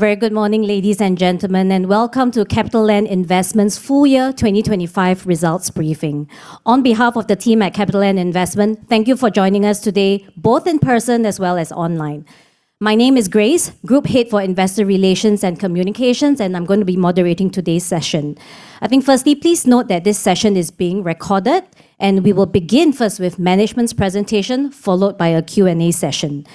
Very good morning, ladies and gentlemen, and welcome to CapitaLand Investment's full-year 2025 results briefing. On behalf of the team at CapitaLand Investment, thank you for joining us today, both in person as well as online. My name is Grace, Group Head for Investor Relations and Communications, and I'm going to be moderating today's session. I think firstly, please note that this session is being recorded, and we will begin first with management's presentation, followed by a Q&A session.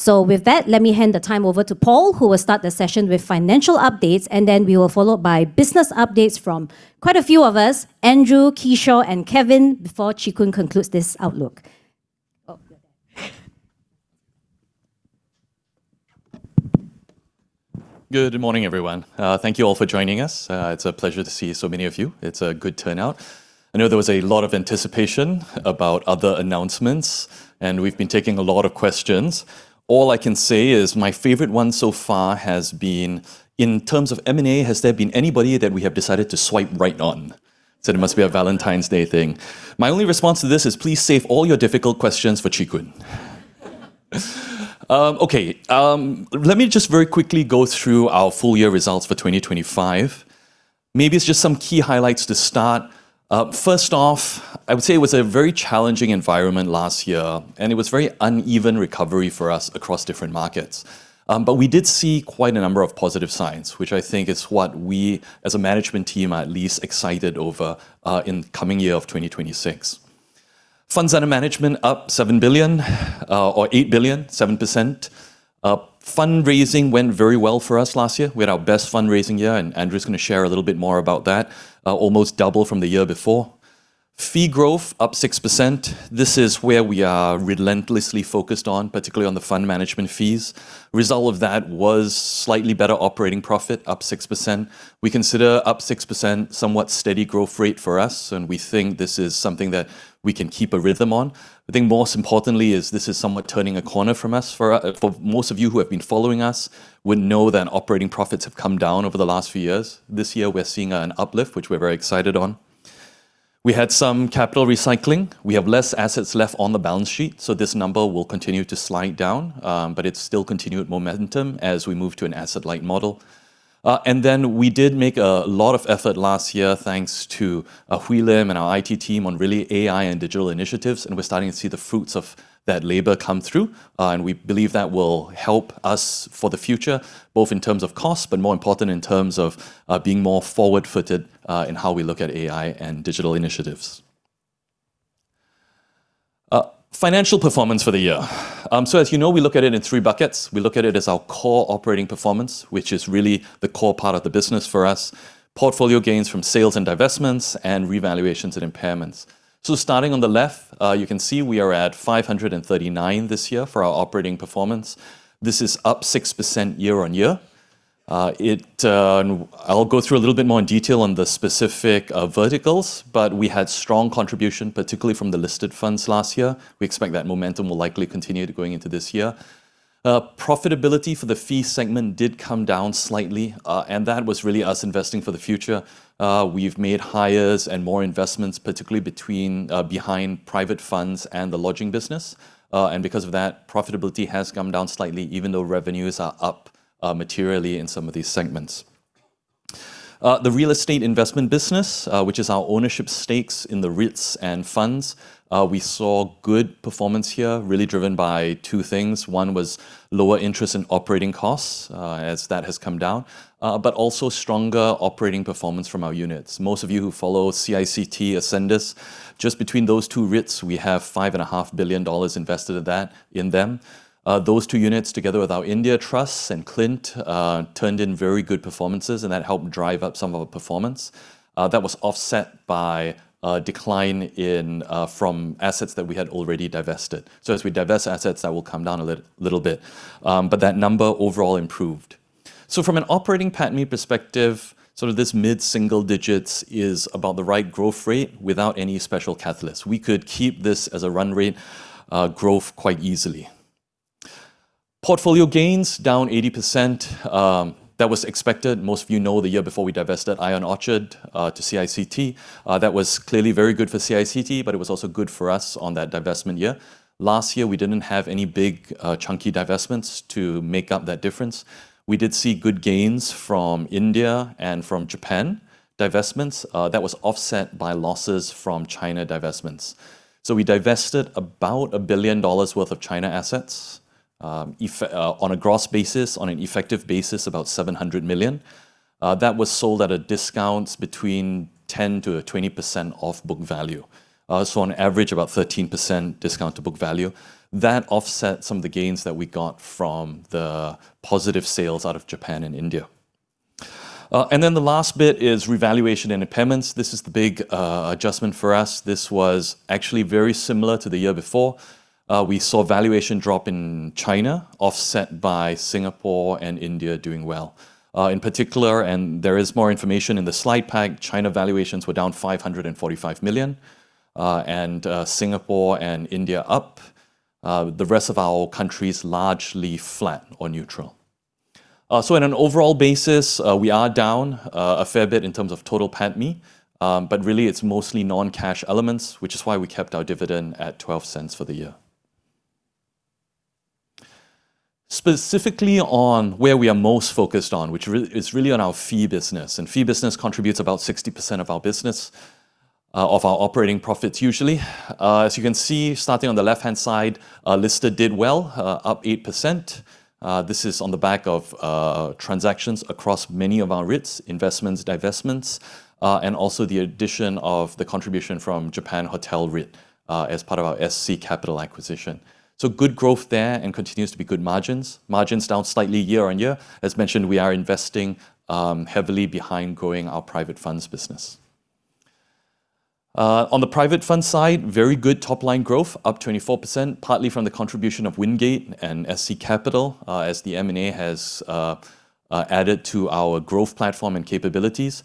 So with that, let me hand the time over to Paul, who will start the session with financial updates, and then we will follow by business updates from quite a few of us, Andrew, Kishore, and Kevin, before Chee Koon concludes this outlook. Oh, you're there. Good morning, everyone. Thank you all for joining us. It's a pleasure to see so many of you. It's a good turnout. I know there was a lot of anticipation about other announcements, and we've been taking a lot of questions. All I can say is my favorite one so far has been, in terms of M&A, has there been anybody that we have decided to swipe right on? So there must be a Valentine's Day thing. My only response to this is please save all your difficult questions for Chee Koon. Okay, let me just very quickly go through our full-year results for 2025. Maybe it's just some key highlights to start. First off, I would say it was a very challenging environment last year, and it was very uneven recovery for us across different markets. but we did see quite a number of positive signs, which I think is what we, as a management team, are at least excited over, in the coming year of 2026. Funds under management: up 7 billion, or 8 billion, 7%. Fundraising went very well for us last year. We had our best fundraising year, and Andrew's going to share a little bit more about that, almost double from the year before. Fee growth: up 6%. This is where we are relentlessly focused on, particularly on the fund management fees. Result of that was slightly better operating profit: up 6%. We consider up 6% somewhat steady growth rate for us, and we think this is something that we can keep a rhythm on. I think most importantly is this is somewhat turning a corner for us. For most of you who have been following us, would know that operating profits have come down over the last few years. This year we're seeing an uplift, which we're very excited on. We had some capital recycling. We have less assets left on the balance sheet, so this number will continue to slide down, but it's still continued momentum as we move to an asset-light model. And then we did make a lot of effort last year thanks to, Hui Lim and our IT team on really AI and digital initiatives, and we're starting to see the fruits of that labor come through, and we believe that will help us for the future, both in terms of cost but more importantly in terms of, being more forward-footed, in how we look at AI and digital initiatives. Financial performance for the year. So as you know, we look at it in three buckets. We look at it as our core operating performance, which is really the core part of the business for us: portfolio gains from sales and divestments, and revaluations and impairments. So starting on the left, you can see we are at 539 this year for our operating performance. This is up 6% year-on-year. I'll go through a little bit more in detail on the specific verticals, but we had strong contribution, particularly from the listed funds last year. We expect that momentum will likely continue going into this year. Profitability for the fee segment did come down slightly, and that was really us investing for the future. We've made hires and more investments, particularly between behind private funds and the lodging business. And because of that, profitability has come down slightly, even though revenues are up materially in some of these segments. The real estate investment business, which is our ownership stakes in the REITs and funds, we saw good performance here, really driven by two things. One was lower interest and operating costs, as that has come down, but also stronger operating performance from our units. Most of you who follow CICT, Ascendas, just between those two REITs we have 5.5 billion dollars invested in them. Those two units, together with our India Trust and CLINT, turned in very good performances, and that helped drive up some of our performance. That was offset by decline in from assets that we had already divested. So as we divest assets, that will come down a little bit. But that number overall improved. So from an operating pattern perspective, sort of this mid-single digits is about the right growth rate without any special catalysts. We could keep this as a run rate, growth quite easily. Portfolio gains: down 80%. That was expected. Most of you know the year before we divested ION Orchard to CICT. That was clearly very good for CICT, but it was also good for us on that divestment year. Last year we didn't have any big, chunky divestments to make up that difference. We did see good gains from India and from Japan. Divestments, that was offset by losses from China divestments. So we divested about $1 billion worth of China assets, on a gross basis, on an effective basis about $700 million. That was sold at a discount between 10%-20% off book value. So on average about 13% discount to book value. That offset some of the gains that we got from the positive sales out of Japan and India. Then the last bit is revaluation and impairments. This is the big adjustment for us. This was actually very similar to the year before. We saw valuation drop in China, offset by Singapore and India doing well. In particular, and there is more information in the slide pack, China valuations were down 545 million, and Singapore and India up. The rest of our countries largely flat or neutral. So on an overall basis, we are down a fair bit in terms of total profit, but really it's mostly non-cash elements, which is why we kept our dividend at 0.12 for the year. Specifically on where we are most focused on, which is really on our fee business. And fee business contributes about 60% of our business, of our operating profits usually. As you can see, starting on the left-hand side, listed did well, up 8%. This is on the back of transactions across many of our REITs, investments, divestments, and also the addition of the contribution from Japan Hotel REIT, as part of our SC Capital acquisition. So good growth there and continues to be good margins. Margins down slightly year-on-year. As mentioned, we are investing heavily behind growing our private funds business. On the private fund side, very good top-line growth, up 24%, partly from the contribution of Wingate and SC Capital, as the M&A has added to our growth platform and capabilities.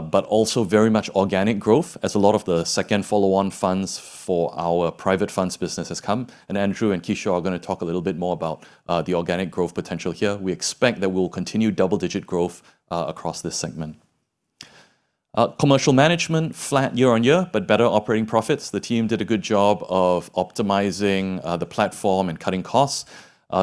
But also very much organic growth, as a lot of the second follow-on funds for our private funds business has come. And Andrew and Kishore are going to talk a little bit more about the organic growth potential here. We expect that we'll continue double-digit growth across this segment. Commercial management: flat year-over-year, but better operating profits. The team did a good job of optimizing the platform and cutting costs.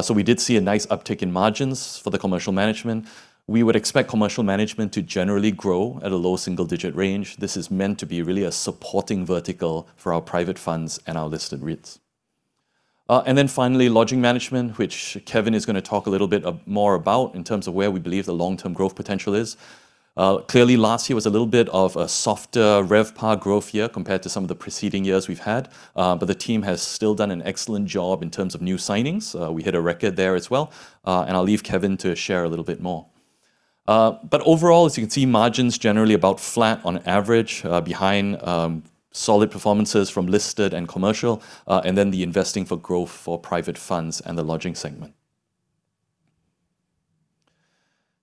So we did see a nice uptick in margins for the commercial management. We would expect commercial management to generally grow at a low single-digit range. This is meant to be really a supporting vertical for our private funds and our listed REITs. Then finally lodging management, which Kevin is going to talk a little bit more about in terms of where we believe the long-term growth potential is. Clearly last year was a little bit of a softer RevPAR growth year compared to some of the preceding years we've had, but the team has still done an excellent job in terms of new signings. We hit a record there as well. And I'll leave Kevin to share a little bit more. But overall, as you can see, margins generally about flat on average, solid performances from listed and commercial, and then the investing for growth for private funds and the lodging segment.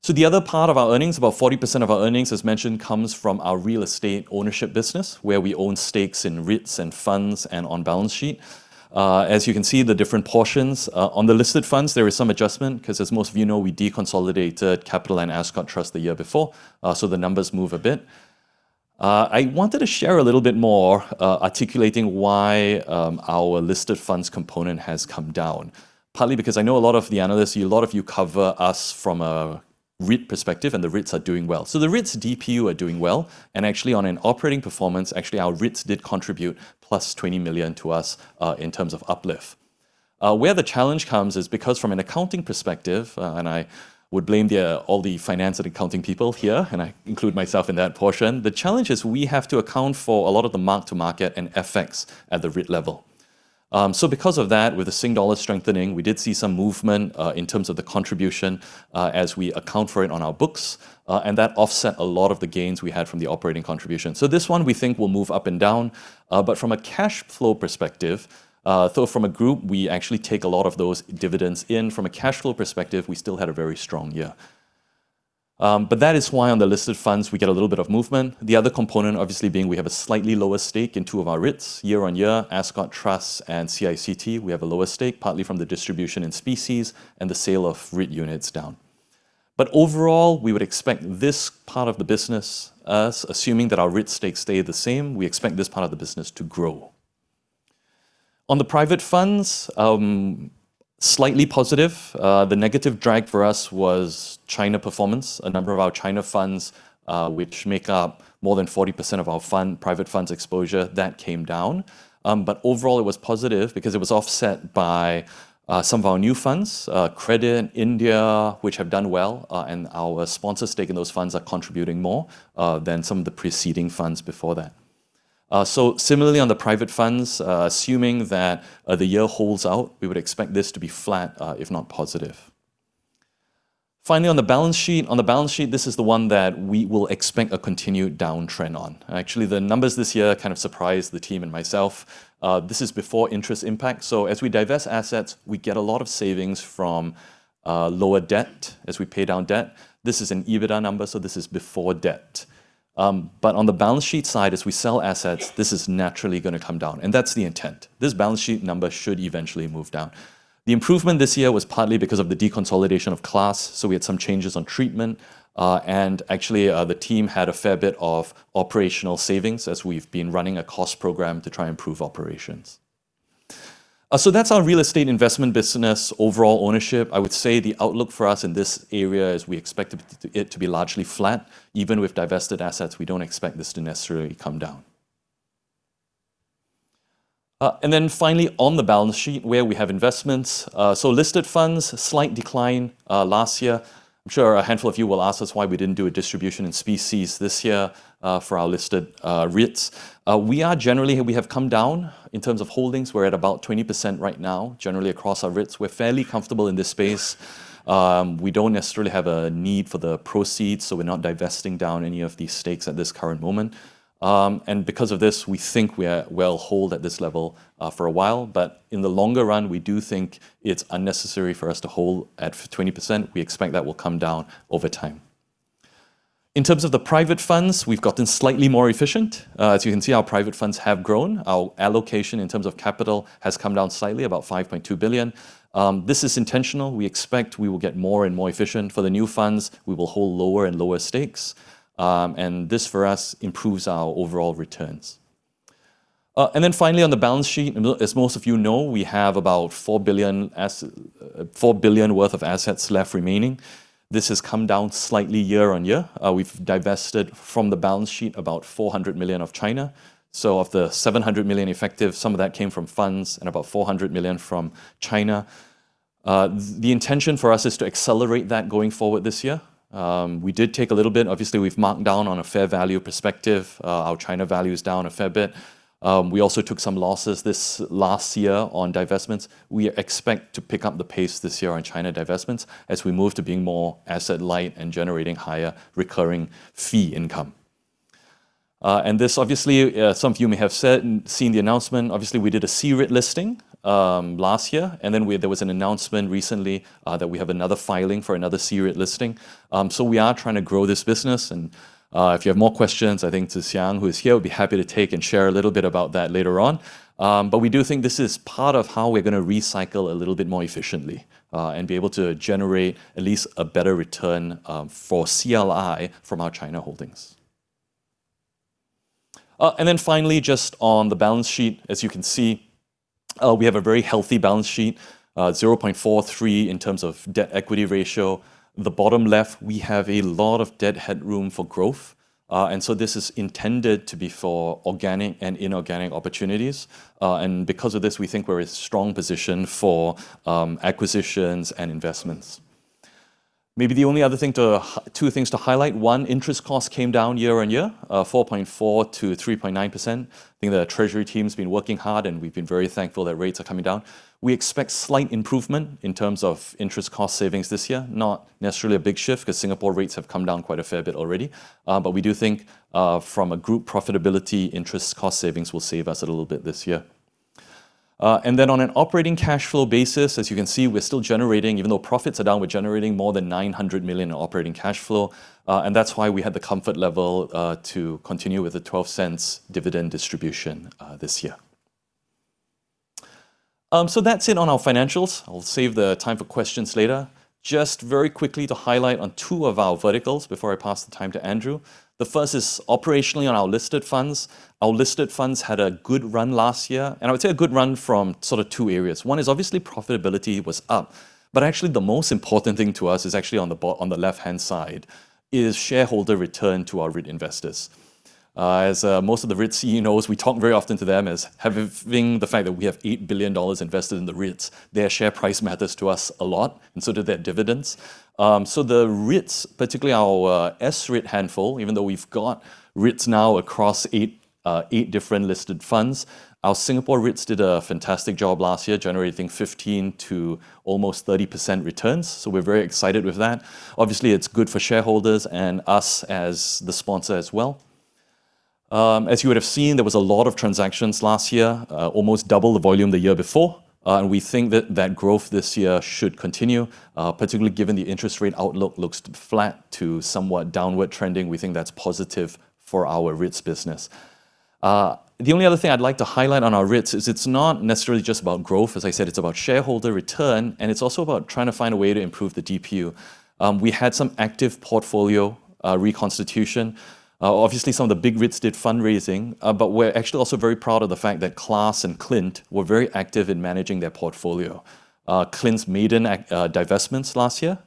So the other part of our earnings (about 40% of our earnings, as mentioned) comes from our real estate ownership business, where we own stakes in REITs and funds and on balance sheet. As you can see, the different portions, on the listed funds, there is some adjustment because, as most of you know, we deconsolidated CapitaLand Ascott Trust the year before, so the numbers move a bit. I wanted to share a little bit more, articulating why, our listed funds component has come down, partly because I know a lot of the analysts (a lot of you cover us from a REIT perspective) and the REITs are doing well. So the REITs DPU are doing well. And actually, on an operating performance, actually our REITs did contribute plus 20 million to us, in terms of uplift. Where the challenge comes is because from an accounting perspective, and I would blame all the finance and accounting people here, and I include myself in that portion, the challenge is we have to account for a lot of the mark-to-market and FX at the REIT level. So because of that, with the Singapore dollar strengthening, we did see some movement, in terms of the contribution, as we account for it on our books, and that offset a lot of the gains we had from the operating contribution. So this one we think will move up and down. But from a cash flow perspective, though from a group we actually take a lot of those dividends in, from a cash flow perspective, we still had a very strong year. But that is why on the listed funds we get a little bit of movement. The other component, obviously, being we have a slightly lower stake in two of our REITs year-on-year: Ascott Trust and CICT. We have a lower stake, partly from the distribution in specie and the sale of REIT units down. But overall, we would expect this part of the business, assuming that our REIT stakes stay the same, we expect this part of the business to grow. On the private funds, slightly positive. The negative drag for us was China performance. A number of our China funds, which make up more than 40% of our private funds exposure, that came down. But overall it was positive because it was offset by some of our new funds, Credit and India, which have done well, and our sponsor stake in those funds are contributing more than some of the preceding funds before that. So similarly on the private funds, assuming that the year holds out, we would expect this to be flat, if not positive. Finally, on the balance sheet, on the balance sheet this is the one that we will expect a continued downtrend on. Actually, the numbers this year kind of surprised the team and myself. This is before interest impact. So as we divest assets, we get a lot of savings from lower debt as we pay down debt. This is an EBITDA number, so this is before debt. But on the balance sheet side, as we sell assets, this is naturally going to come down, and that's the intent. This balance sheet number should eventually move down. The improvement this year was partly because of the deconsolidation of CLAS, so we had some changes on treatment, and actually, the team had a fair bit of operational savings as we've been running a cost program to try and improve operations. That's our real estate investment business overall ownership. I would say the outlook for us in this area is we expect it to be largely flat. Even with divested assets, we don't expect this to necessarily come down. And then finally on the balance sheet where we have investments. Listed funds: slight decline, last year. I'm sure a handful of you will ask us why we didn't do a distribution in specie this year, for our listed REITs. We are generally—we have come down in terms of holdings. We're at about 20% right now generally across our REITs. We're fairly comfortable in this space. We don't necessarily have a need for the proceeds, so we're not divesting down any of these stakes at this current moment. Because of this, we think we are well hold at this level, for a while. But in the longer run, we do think it's unnecessary for us to hold at 20%. We expect that will come down over time. In terms of the private funds, we've gotten slightly more efficient. As you can see, our private funds have grown. Our allocation in terms of capital has come down slightly, about 5.2 billion. This is intentional. We expect we will get more and more efficient. For the new funds, we will hold lower and lower stakes. This for us improves our overall returns. And then finally on the balance sheet, as most of you know, we have about 4 billion worth of assets left remaining. This has come down slightly year-on-year. We've divested from the balance sheet about 400 million of China. So of the 700 million effective, some of that came from funds and about 400 million from China. The intention for us is to accelerate that going forward this year. We did take a little bit, obviously we've marked down on a fair value perspective. Our China value is down a fair bit. We also took some losses this last year on divestments. We expect to pick up the pace this year on China divestments as we move to being more asset-light and generating higher recurring fee income. And this obviously, some of you may have said and seen the announcement. Obviously, we did a C-REIT listing last year, and then there was an announcement recently that we have another filing for another C-REIT listing. So we are trying to grow this business. If you have more questions, I think Tze Shyang who is here would be happy to take and share a little bit about that later on. But we do think this is part of how we're going to recycle a little bit more efficiently, and be able to generate at least a better return for CLI from our China holdings. And then finally just on the balance sheet, as you can see, we have a very healthy balance sheet, 0.43 in terms of debt-equity ratio. The bottom left, we have a lot of debt headroom for growth. So this is intended to be for organic and inorganic opportunities. And because of this we think we're in a strong position for acquisitions and investments. Maybe the only other thing to two things to highlight: one, interest costs came down year-on-year, 4.4%-3.9%. I think the Treasury team's been working hard, and we've been very thankful that rates are coming down. We expect slight improvement in terms of interest cost savings this year, not necessarily a big shift because Singapore rates have come down quite a fair bit already. But we do think from a group profitability, interest cost savings will save us a little bit this year. And then on an operating cash flow basis, as you can see, we're still generating—even though profits are down—we're generating more than 900 million in operating cash flow. And that's why we had the comfort level to continue with a 0.12 dividend distribution this year. So that's it on our financials. I'll save the time for questions later. Just very quickly to highlight on two of our verticals before I pass the time to Andrew. The first is operationally on our listed funds. Our listed funds had a good run last year, and I would say a good run from sort of two areas. One is obviously profitability was up, but actually the most important thing to us is actually on the left-hand side is shareholder return to our REIT investors. As most of the REIT CEOs know, we talk very often to them as having the fact that we have 8 billion dollars invested in the REITs, their share price matters to us a lot, and so did their dividends. So the REITs, particularly our S-REIT handful, even though we've got REITs now across eight different listed funds, our Singapore REITs did a fantastic job last year generating, I think, 15% to almost 30% returns. So we're very excited with that. Obviously it's good for shareholders and us as the sponsor as well. As you would have seen, there was a lot of transactions last year, almost double the volume the year before. We think that that growth this year should continue, particularly given the interest rate outlook looks flat to somewhat downward trending. We think that's positive for our REITs business. The only other thing I'd like to highlight on our REITs is it's not necessarily just about growth. As I said, it's about shareholder return, and it's also about trying to find a way to improve the DPU. We had some active portfolio reconstitution. Obviously some of the big REITs did fundraising, but we're actually also very proud of the fact that CLAS and CLINT were very active in managing their portfolio. CLINT's made divestments last year.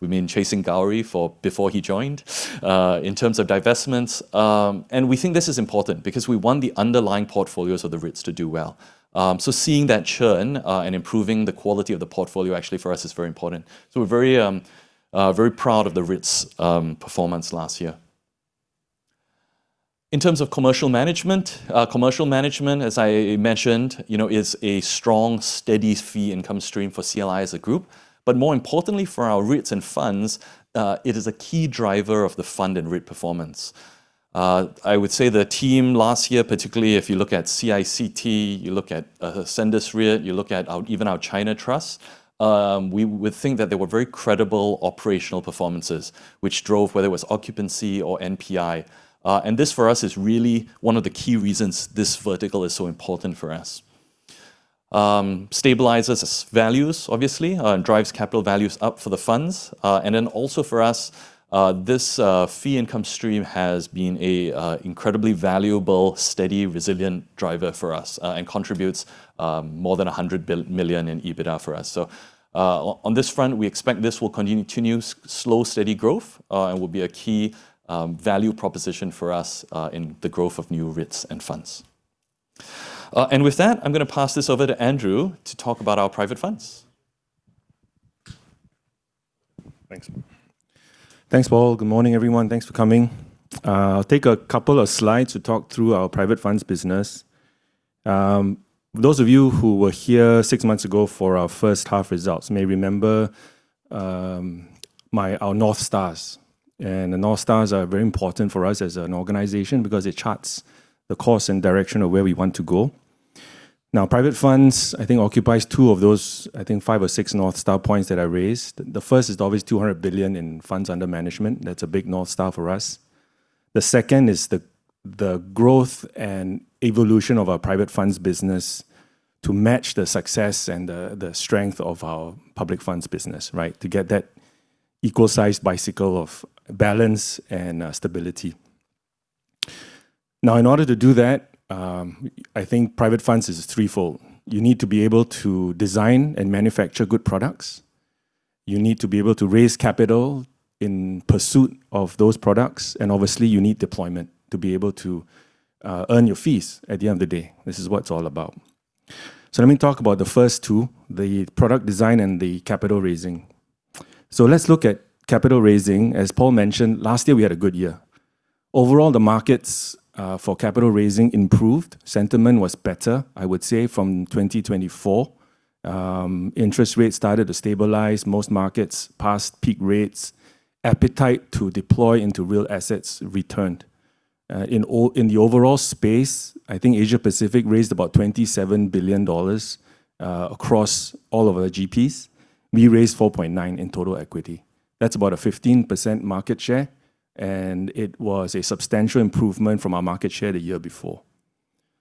We mean chasing Gauri before he joined, in terms of divestments. And we think this is important because we want the underlying portfolios of the REITs to do well. So seeing that churn, and improving the quality of the portfolio actually for us is very important. So we're very, very proud of the REITs' performance last year. In terms of commercial management, commercial management, as I mentioned, you know, is a strong, steady fee income stream for CLI as a group. But more importantly for our REITs and funds, it is a key driver of the fund and REIT performance. I would say the team last year, particularly if you look at CICT, you look at Ascendas REIT, you look at even our China Trust, we would think that there were very credible operational performances which drove whether it was occupancy or NPI. This for us is really one of the key reasons this vertical is so important for us. It stabilizes values obviously, and drives capital values up for the funds. Then also for us, this fee income stream has been an incredibly valuable, steady, resilient driver for us, and contributes more than 100 billion in EBITDA for us. So, on this front we expect this will continue to new slow, steady growth, and will be a key value proposition for us, in the growth of new REITs and funds. With that I'm going to pass this over to Andrew to talk about our private funds. Thanks. Thanks Paul. Good morning everyone. Thanks for coming. I'll take a couple of slides to talk through our private funds business. Those of you who were here six months ago for our first half results may remember our North Stars. The North Stars are very important for us as an organization because it charts the course and direction of where we want to go. Now private funds I think occupies two of those, I think, five or six North Star points that I raised. The first is obviously $200 billion in funds under management. That's a big North Star for us. The second is the growth and evolution of our private funds business to match the success and the strength of our public funds business, right? To get that equal-sized bicycle of balance and stability. Now in order to do that, I think private funds is threefold. You need to be able to design and manufacture good products. You need to be able to raise capital in pursuit of those products. And obviously you need deployment to be able to earn your fees at the end of the day. This is what it's all about. So let me talk about the first two, the product design and the capital raising. So let's look at capital raising. As Paul mentioned, last year we had a good year. Overall, the markets for capital raising improved. Sentiment was better, I would say, from 2024. Interest rates started to stabilize. Most markets passed peak rates. Appetite to deploy into real assets returned. In all, in the overall space, I think Asia Pacific raised about $27 billion across all of our GPs. We raised $4.9 billion in total equity. That's about a 15% market share, and it was a substantial improvement from our market share the year before.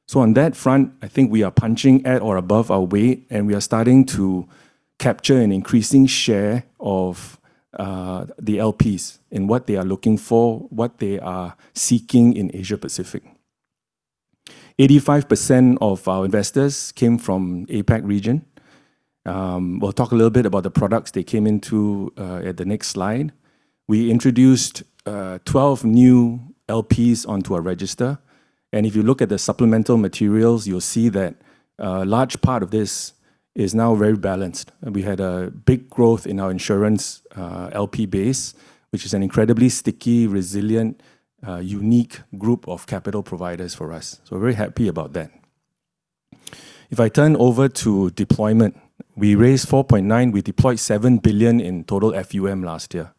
So on that front I think we are punching at or above our weight, and we are starting to capture an increasing share of the LPs in what they are looking for, what they are seeking in Asia Pacific. 85% of our investors came from the APAC region. We'll talk a little bit about the products they came into, at the next slide. We introduced 12 new LPs onto our register, and if you look at the supplemental materials you'll see that a large part of this is now very balanced. We had a big growth in our insurance LP base, which is an incredibly sticky, resilient, unique group of capital providers for us. So we're very happy about that. If I turn over to deployment, we raised $4.9 billion. We deployed $7 billion in total FUM last year.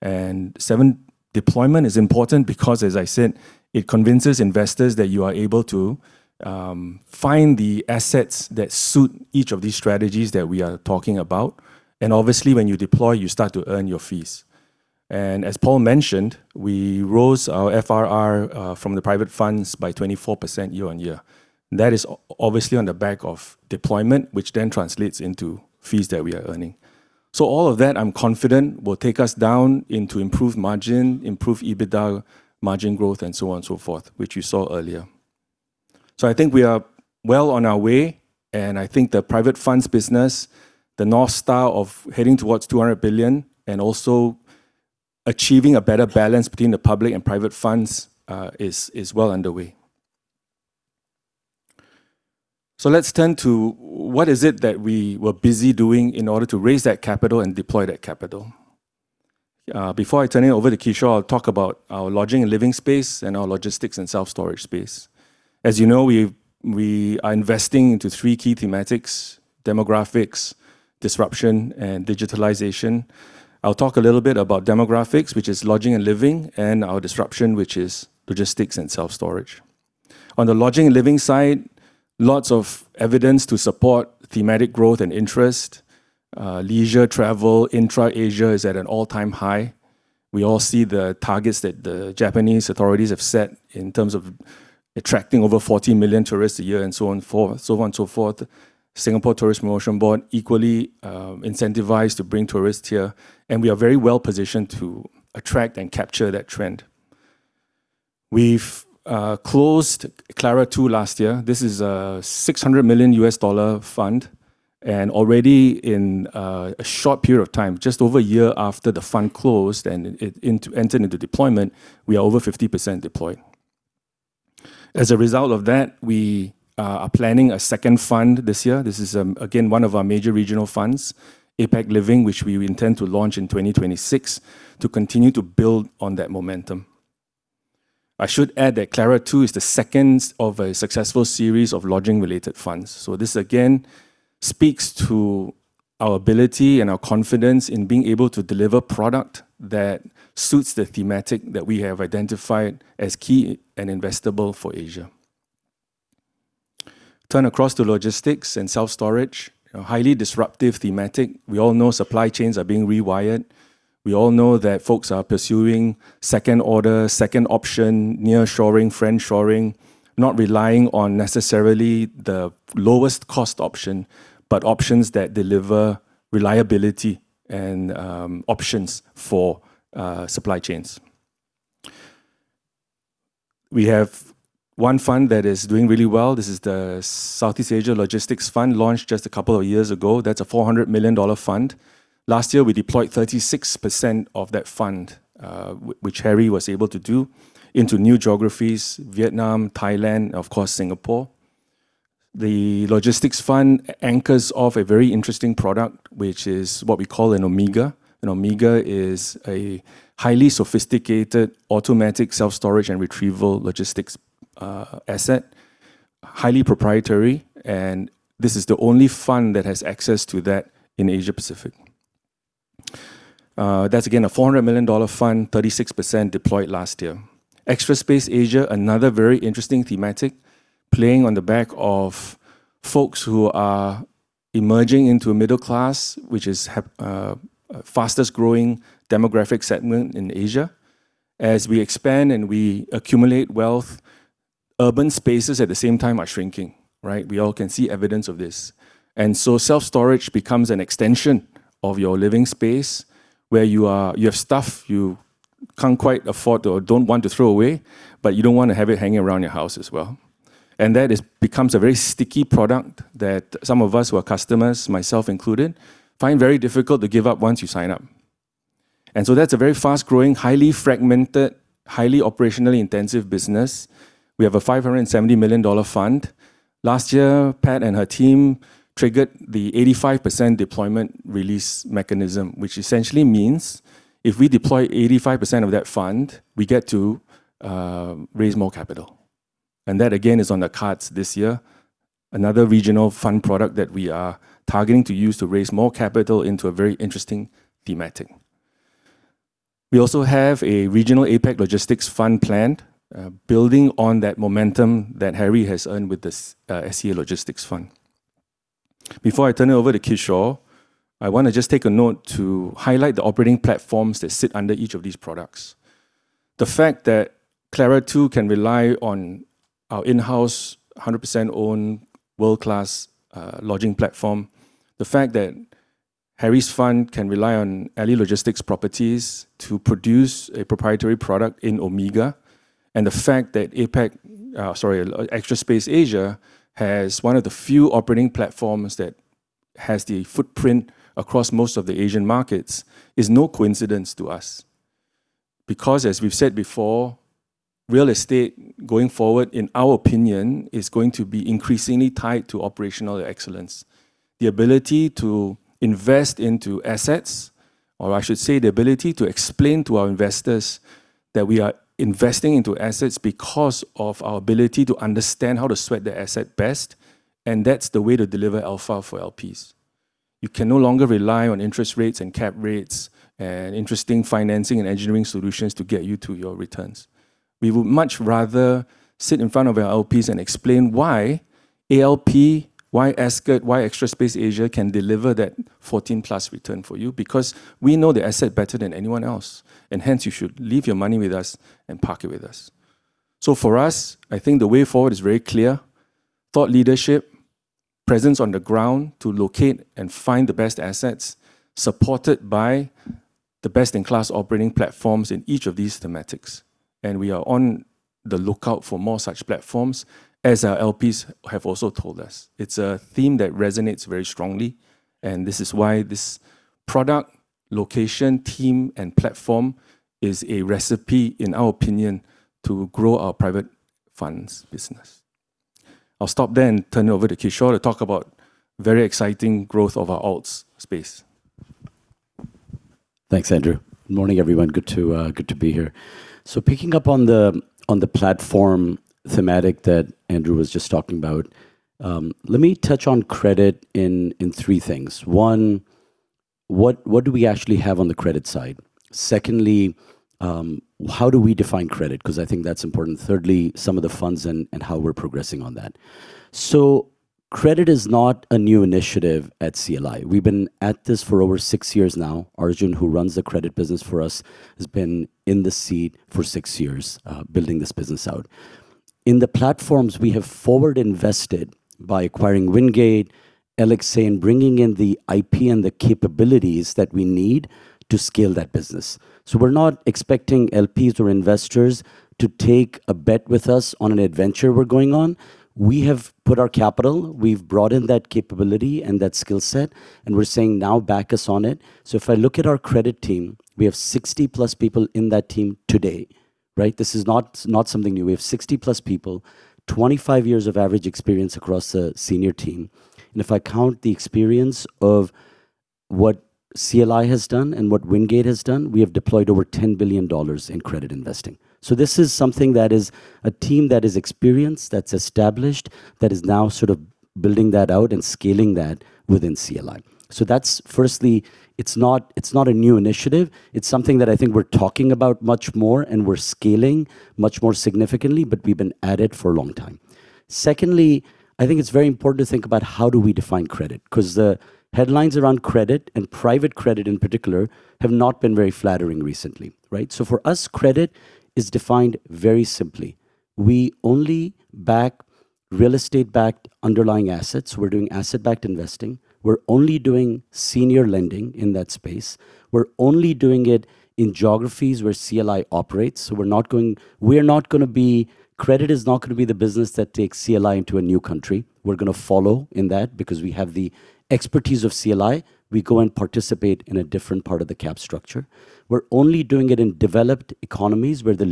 The deployment is important because, as I said, it convinces investors that you are able to find the assets that suit each of these strategies that we are talking about. Obviously when you deploy you start to earn your fees. As Paul mentioned, we rose our FRR from the private funds by 24% year-on-year. That is obviously on the back of deployment, which then translates into fees that we are earning. All of that I'm confident will take us down into improved margin, improved EBITDA, margin growth, and so on and so forth, which you saw earlier. So I think we are well on our way, and I think the private funds business, the North Star of heading towards $200 billion and also achieving a better balance between the public and private funds, is well underway. So let's turn to what is it that we were busy doing in order to raise that capital and deploy that capital. Before I turn it over to Kishore, I'll talk about our lodging and living space and our logistics and self-storage space. As you know, we are investing into three key thematics: demographics, disruption, and digitalization. I'll talk a little bit about demographics, which is lodging and living, and our disruption, which is logistics and self-storage. On the lodging and living side, lots of evidence to support thematic growth and interest. Leisure travel intra-Asia is at an all-time high. We all see the targets that the Japanese authorities have set in terms of attracting over 40 million tourists a year and so on and so forth, so on and so forth. Singapore Tourism Board equally incentivized to bring tourists here, and we are very well positioned to attract and capture that trend. We've closed CLARA II last year. This is a $600 million fund, and already in a short period of time, just over a year after the fund closed and it entered into deployment, we are over 50% deployed. As a result of that, we are planning a second fund this year. This is again one of our major regional funds, APAC Living, which we intend to launch in 2026 to continue to build on that momentum. I should add that CLARA II is the second of a successful series of lodging-related funds. So this again speaks to our ability and our confidence in being able to deliver product that suits the thematic that we have identified as key and investable for Asia. Turn across to logistics and self-storage, a highly disruptive thematic. We all know supply chains are being rewired. We all know that folks are pursuing second order, second option, near shoring, friend shoring, not relying on necessarily the lowest cost option, but options that deliver reliability and, options for, supply chains. We have one fund that is doing really well. This is the Southeast Asia Logistics Fund, launched just a couple of years ago. That's a $400 million fund. Last year we deployed 36% of that fund, which Harry was able to do, into new geographies: Vietnam, Thailand, and of course Singapore. The logistics fund anchors off a very interesting product, which is what we call an Omega. An Omega is a highly sophisticated automatic self-storage and retrieval logistics asset, highly proprietary, and this is the only fund that has access to that in Asia Pacific. That's again a $400 million fund, 36% deployed last year. Extra Space Asia, another very interesting theme, playing on the back of folks who are emerging into a middle class, which is the fastest growing demographic segment in Asia. As we expand and we accumulate wealth, urban spaces at the same time are shrinking, right? We all can see evidence of this. And so self-storage becomes an extension of your living space where you have stuff you can't quite afford or don't want to throw away, but you don't want to have it hanging around your house as well. That becomes a very sticky product that some of us who are customers, myself included, find very difficult to give up once you sign up. So that's a very fast-growing, highly fragmented, highly operationally intensive business. We have a 570 million dollar fund. Last year Pat and her team triggered the 85% deployment release mechanism, which essentially means if we deploy 85% of that fund, we get to raise more capital. That again is on the cards this year, another regional fund product that we are targeting to use to raise more capital into a very interesting thematic. We also have a regional APAC Logistics Fund planned, building on that momentum that Harry has earned with the SEA Logistics Fund. Before I turn it over to Keeshaw, I want to just take a note to highlight the operating platforms that sit under each of these products. The fact that CLARA II can rely on our in-house, 100% owned world-class, lodging platform, the fact that Harry's fund can rely on Ally Logistics Properties to produce a proprietary product in Omega, and the fact that APAC, sorry, Extra Space Asia has one of the few operating platforms that has the footprint across most of the Asian markets is no coincidence to us. Because as we've said before, real estate going forward, in our opinion, is going to be increasingly tied to operational excellence. The ability to invest into assets, or I should say the ability to explain to our investors that we are investing into assets because of our ability to understand how to sweat the asset best, and that's the way to deliver alpha for LPs. You can no longer rely on interest rates and cap rates and interesting financing and engineering solutions to get you to your returns. We would much rather sit in front of our LPs and explain why ALP, why ESCRT, why Extra Space Asia can deliver that 14+ return for you, because we know the asset better than anyone else, and hence you should leave your money with us and park it with us. So for us, I think the way forward is very clear: thought leadership, presence on the ground to locate and find the best assets, supported by the best-in-class operating platforms in each of these thematics. We are on the lookout for more such platforms, as our LPs have also told us. It's a theme that resonates very strongly, and this is why this product, location, team, and platform is a recipe, in our opinion, to grow our private funds business. I'll stop there and turn it over to Kishore to talk about the very exciting growth of our alts space. Thanks, Andrew. Good morning everyone. Good to, good to be here. So picking up on the platform thematic that Andrew was just talking about, let me touch on credit in three things. One, what do we actually have on the credit side? Secondly, how do we define credit? Because I think that's important. Thirdly, some of the funds and how we're progressing on that. So credit is not a new initiative at CLI. We've been at this for over six years now. Arjun, who runs the credit business for us, has been in the seat for six years, building this business out. In the platforms, we have forward invested by acquiring Wingate, LXA, and bringing in the IP and the capabilities that we need to scale that business. So we're not expecting LPs or investors to take a bet with us on an adventure we're going on. We have put our capital, we've brought in that capability and that skill set, and we're saying now back us on it. So if I look at our credit team, we have 60+ people in that team today, right? This is not something new. We have 60+ people, 25 years of average experience across the senior team. And if I count the experience of what CLI has done and what Wingate has done, we have deployed over $10 billion in credit investing. So this is something that is a team that is experienced, that's established, that is now sort of building that out and scaling that within CLI. So that's firstly, it's not it's not a new initiative. It's something that I think we're talking about much more and we're scaling much more significantly, but we've been at it for a long time. Secondly, I think it's very important to think about how do we define credit, because the headlines around credit and private credit in particular have not been very flattering recently, right? So for us, credit is defined very simply. We only back real estate-backed underlying assets. We're doing asset-backed investing. We're only doing senior lending in that space. We're only doing it in geographies where CLI operates. So credit is not going to be the business that takes CLI into a new country. We're going to follow in that because we have the expertise of CLI. We go and participate in a different part of the cap structure. We're only doing it in developed economies where the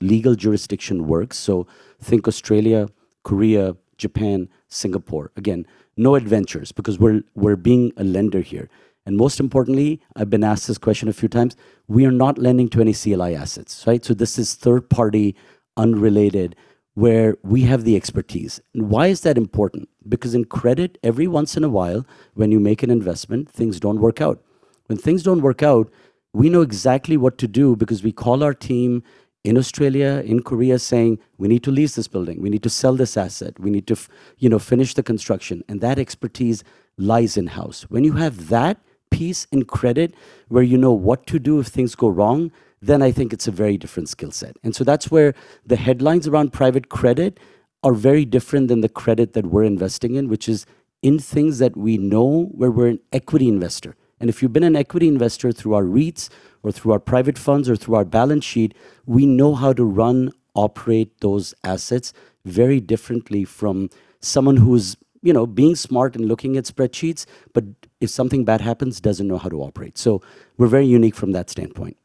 legal jurisdiction works. So think Australia, Korea, Japan, Singapore. Again, no adventures because we're being a lender here. And most importantly, I've been asked this question a few times: we are not lending to any CLI assets, right? So this is third-party, unrelated, where we have the expertise. And why is that important? Because in credit, every once in a while when you make an investment, things don't work out. When things don't work out, we know exactly what to do because we call our team in Australia, in Korea, saying we need to lease this building, we need to sell this asset, we need to, you know, finish the construction. That expertise lies in-house. When you have that piece in credit where you know what to do if things go wrong, then I think it's a very different skill set. So that's where the headlines around private credit are very different than the credit that we're investing in, which is in things that we know where we're an equity investor. If you've been an equity investor through our REITs or through our private funds or through our balance sheet, we know how to run, operate those assets very differently from someone who's, you know, being smart and looking at spreadsheets, but if something bad happens, doesn't know how to operate. So we're very unique from that standpoint.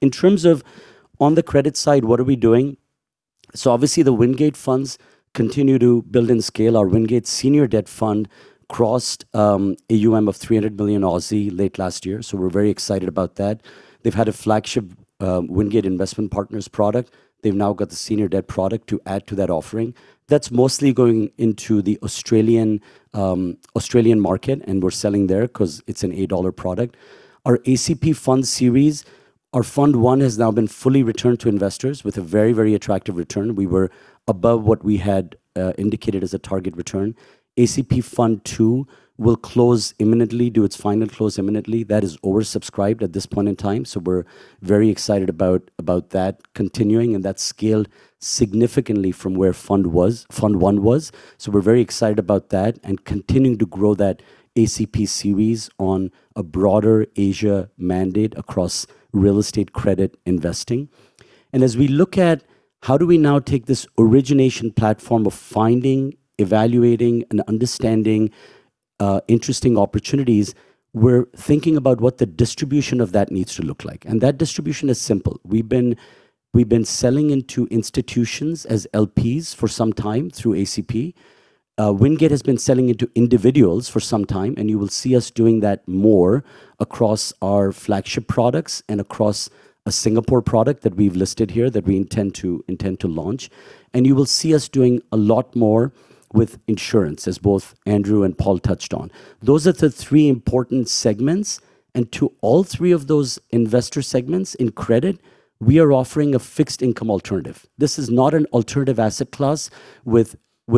In terms of on the credit side, what are we doing? So obviously the Wingate funds continue to build and scale. Our Wingate Senior Debt Fund crossed 300 million late last year. So we're very excited about that. They've had a flagship Wingate Investment Partners product. They've now got the Senior Debt Product to add to that offering. That's mostly going into the Australian, Australian market, and we're selling there because it's an $8 product. Our ACP Fund series, our Fund One, has now been fully returned to investors with a very, very attractive return. We were above what we had indicated as a target return. ACP Fund Two will close imminently, do its final close imminently. That is oversubscribed at this point in time. So we're very excited about that continuing and that scaled significantly from where Fund One was. So we're very excited about that and continuing to grow that ACP series on a broader Asia mandate across real estate credit investing. As we look at how do we now take this origination platform of finding, evaluating, and understanding interesting opportunities, we're thinking about what the distribution of that needs to look like. And that distribution is simple. We've been selling into institutions as LPs for some time through ACP. Wingate has been selling into individuals for some time, and you will see us doing that more across our flagship products and across a Singapore product that we've listed here that we intend to launch. You will see us doing a lot more with insurance, as both Andrew and Paul touched on. Those are the three important segments. To all three of those investor segments in credit, we are offering a fixed income alternative. This is not an alternative asset class with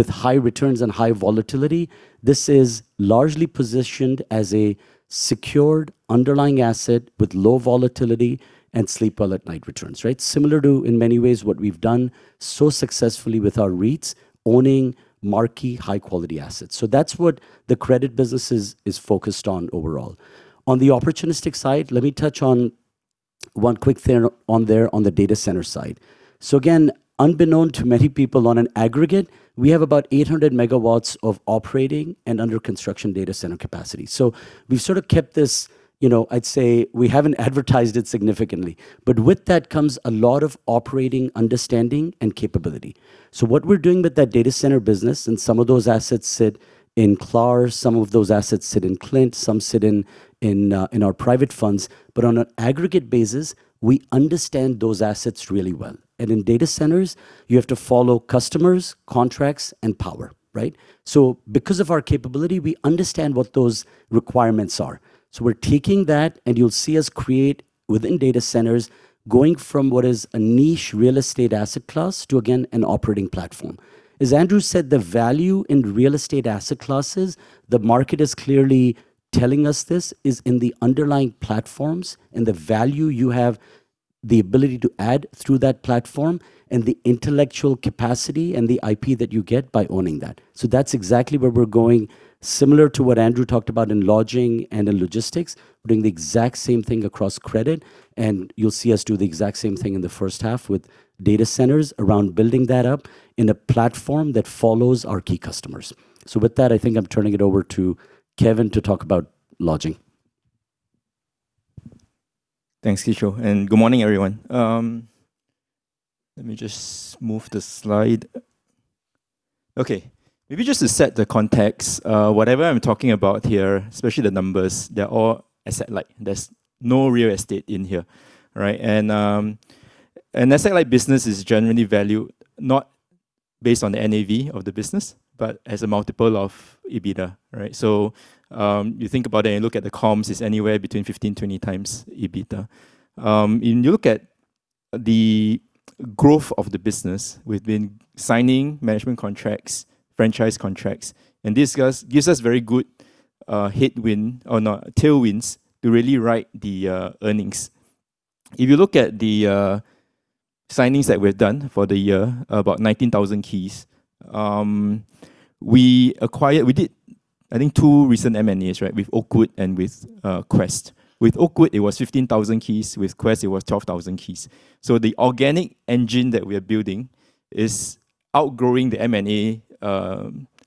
high returns and high volatility. This is largely positioned as a secured underlying asset with low volatility and sleep well at night returns, right? Similar to in many ways what we've done so successfully with our REITs, owning marquee, high-quality assets. So that's what the credit business is focused on overall. On the opportunistic side, let me touch on one quick thing on there on the data center side. So again, unbeknownst to many people on an aggregate, we have about 800 MW of operating and under construction data center capacity. So we've sort of kept this, you know, I'd say we haven't advertised it significantly, but with that comes a lot of operating understanding and capability. So what we're doing with that data center business and some of those assets sit in CLAR, some of those assets sit in CLINT, some sit in our private funds. But on an aggregate basis, we understand those assets really well. And in data centers, you have to follow customers, contracts, and power, right? So because of our capability, we understand what those requirements are. So we're taking that and you'll see us create within data centers, going from what is a niche real estate asset class to, again, an operating platform. As Andrew said, the value in real estate asset classes, the market is clearly telling us this is in the underlying platforms and the value you have, the ability to add through that platform and the intellectual capacity and the IP that you get by owning that. So that's exactly where we're going. Similar to what Andrew talked about in lodging and in logistics, doing the exact same thing across credit. And you'll see us do the exact same thing in the first half with data centers around building that up in a platform that follows our key customers. So with that, I think I'm turning it over to Kevin to talk about lodging. Thanks, Kishore. And good morning everyone. Let me just move the slide. Okay. Maybe just to set the context, whatever I'm talking about here, especially the numbers, they're all asset-like. There's no real estate in here, right? And an asset-like business is generally valued not based on the NAV of the business, but as a multiple of EBITDA, right? So, you think about it and you look at the comms, it's anywhere between 15-20 times EBITDA. And you look at the growth of the business within signing management contracts, franchise contracts, and this just gives us very good, headwind or not tailwinds to really write the, earnings. If you look at the, signings that we've done for the year, about 19,000 keys, we acquired, we did, I think, 2 recent M&As, right, with Oakwood and with, Quest. With Oakwood, it was 15,000 keys. With Quest, it was 12,000 keys. So the organic engine that we are building is outgrowing the M&A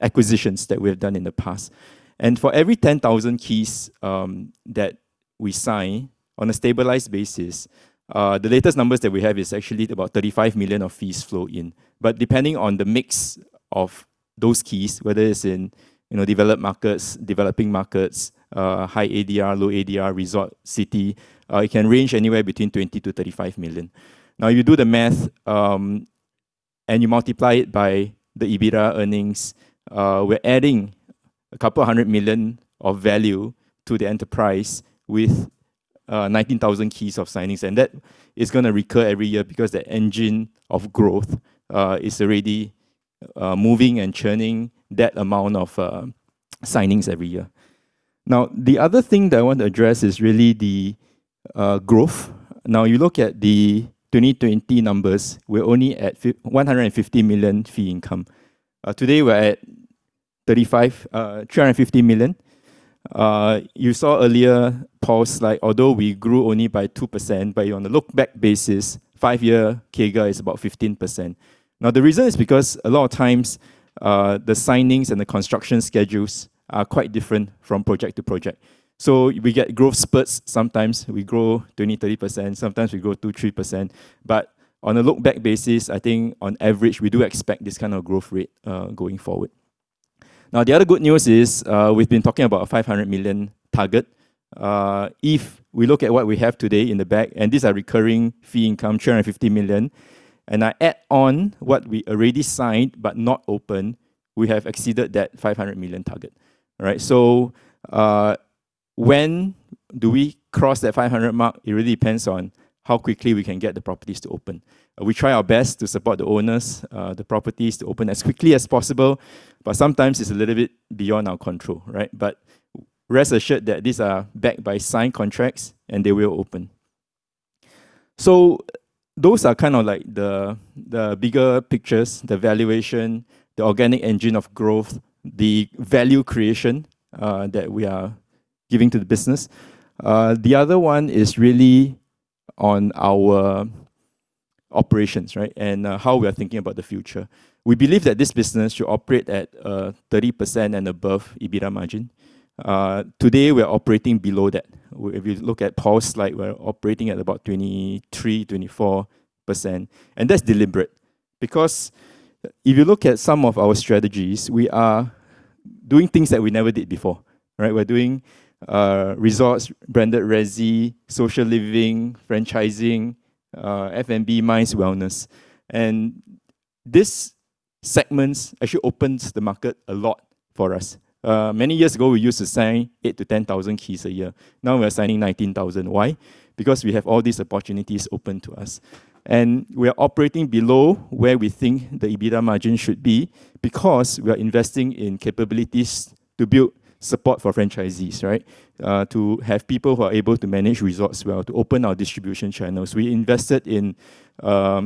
acquisitions that we have done in the past. And for every 10,000 keys that we sign on a stabilized basis, the latest numbers that we have is actually about 35 million of fees flow in. But depending on the mix of those keys, whether it's in, you know, developed markets, developing markets, high ADR, low ADR, resort, city, it can range anywhere between 20 million-35 million. Now, you do the math, and you multiply it by the EBITDA earnings. We're adding a couple of hundred million of value to the enterprise with 19,000 keys of signings. And that is going to recur every year because the engine of growth is already moving and churning that amount of signings every year. Now, the other thing that I want to address is really the growth. Now, you look at the 2020 numbers, we're only at 150 million fee income. Today we're at 350 million. You saw earlier Paul's slide, although we grew only by 2%, but on a look-back basis, 5-year CAGR is about 15%. Now, the reason is because a lot of times, the signings and the construction schedules are quite different from project to project. So we get growth spurts. Sometimes we grow 20%-30%, sometimes we grow 2%-3%. But on a look-back basis, I think on average we do expect this kind of growth rate, going forward. Now, the other good news is, we've been talking about a 500 million target. If we look at what we have today in the back, and these are recurring fee income, 350 million, and I add on what we already signed but not opened, we have exceeded that 500 million target, right? So, when do we cross that 500 mark? It really depends on how quickly we can get the properties to open. We try our best to support the owners, the properties to open as quickly as possible, but sometimes it's a little bit beyond our control, right? But rest assured that these are backed by signed contracts and they will open. So those are kind of like the bigger pictures, the valuation, the organic engine of growth, the value creation, that we are giving to the business. The other one is really on our operations, right, and how we are thinking about the future. We believe that this business should operate at 30% and above EBITDA margin. Today we are operating below that. If you look at Paul's slide, we're operating at about 23%-24%. And that's deliberate because if you look at some of our strategies, we are doing things that we never did before, right? We're doing resorts, branded residences, social living, franchising, F&B, MICE, wellness. And these segments actually opened the market a lot for us. Many years ago we used to sign 8,000-10,000 keys a year. Now we are signing 19,000. Why? Because we have all these opportunities open to us and we are operating below where we think the EBITDA margin should be because we are investing in capabilities to build support for franchisees, right? To have people who are able to manage resorts well, to open our distribution channels. We invested in our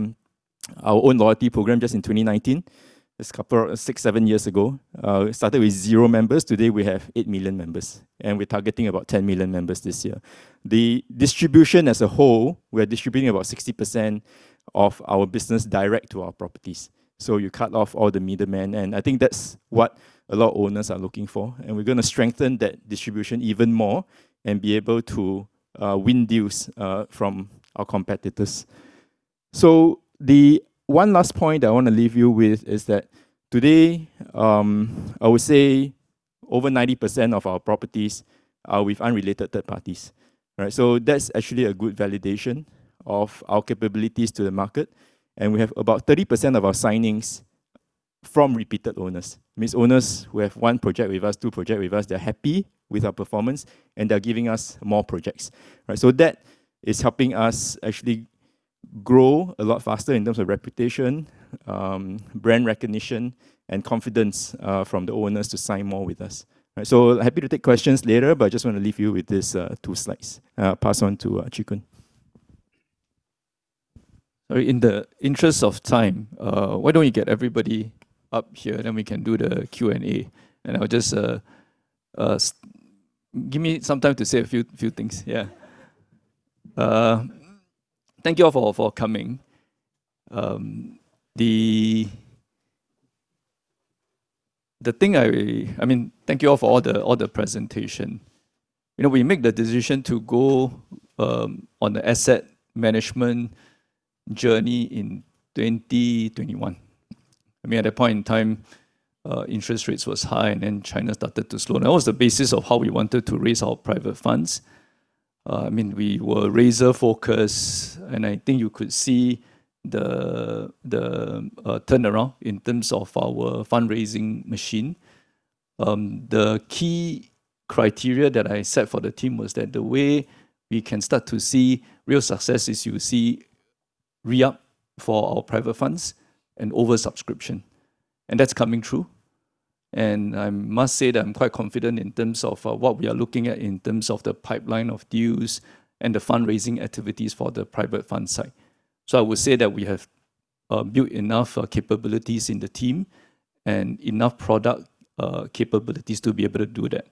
own loyalty program just in 2019. It's a couple of six, seven years ago. Started with 0 members. Today we have 8 million members and we're targeting about 10 million members this year. The distribution as a whole, we are distributing about 60% of our business direct to our properties. So you cut off all the middlemen. And I think that's what a lot of owners are looking for. And we're going to strengthen that distribution even more and be able to win deals from our competitors. So the one last point that I want to leave you with is that today, I would say over 90% of our properties are with unrelated third parties, right? So that's actually a good validation of our capabilities to the market. And we have about 30% of our signings from repeated owners, means owners who have one project with us, two projects with us, they're happy with our performance and they're giving us more projects, right? So that is helping us actually grow a lot faster in terms of reputation, brand recognition, and confidence, from the owners to sign more with us, right? So happy to take questions later, but I just want to leave you with this, two slides. Pass on to Chee Koon. Sorry, in the interest of time, why don't we get everybody up here and then we can do the Q&A and I'll just, give me some time to say a few, few things. Yeah. Thank you all for coming. The thing I, I mean, thank you all for all the presentation. You know, we made the decision to go, on the asset management journey in 2021. I mean, at that point in time, interest rates were high and then China started to slow down. That was the basis of how we wanted to raise our private funds. I mean, we were razor-focused and I think you could see the turnaround in terms of our fundraising machine. The key criteria that I set for the team was that the way we can start to see real success is you see re-up for our private funds and oversubscription. And that's coming true. And I must say that I'm quite confident in terms of what we are looking at in terms of the pipeline of deals and the fundraising activities for the private fund side. So I would say that we have built enough capabilities in the team and enough product capabilities to be able to do that.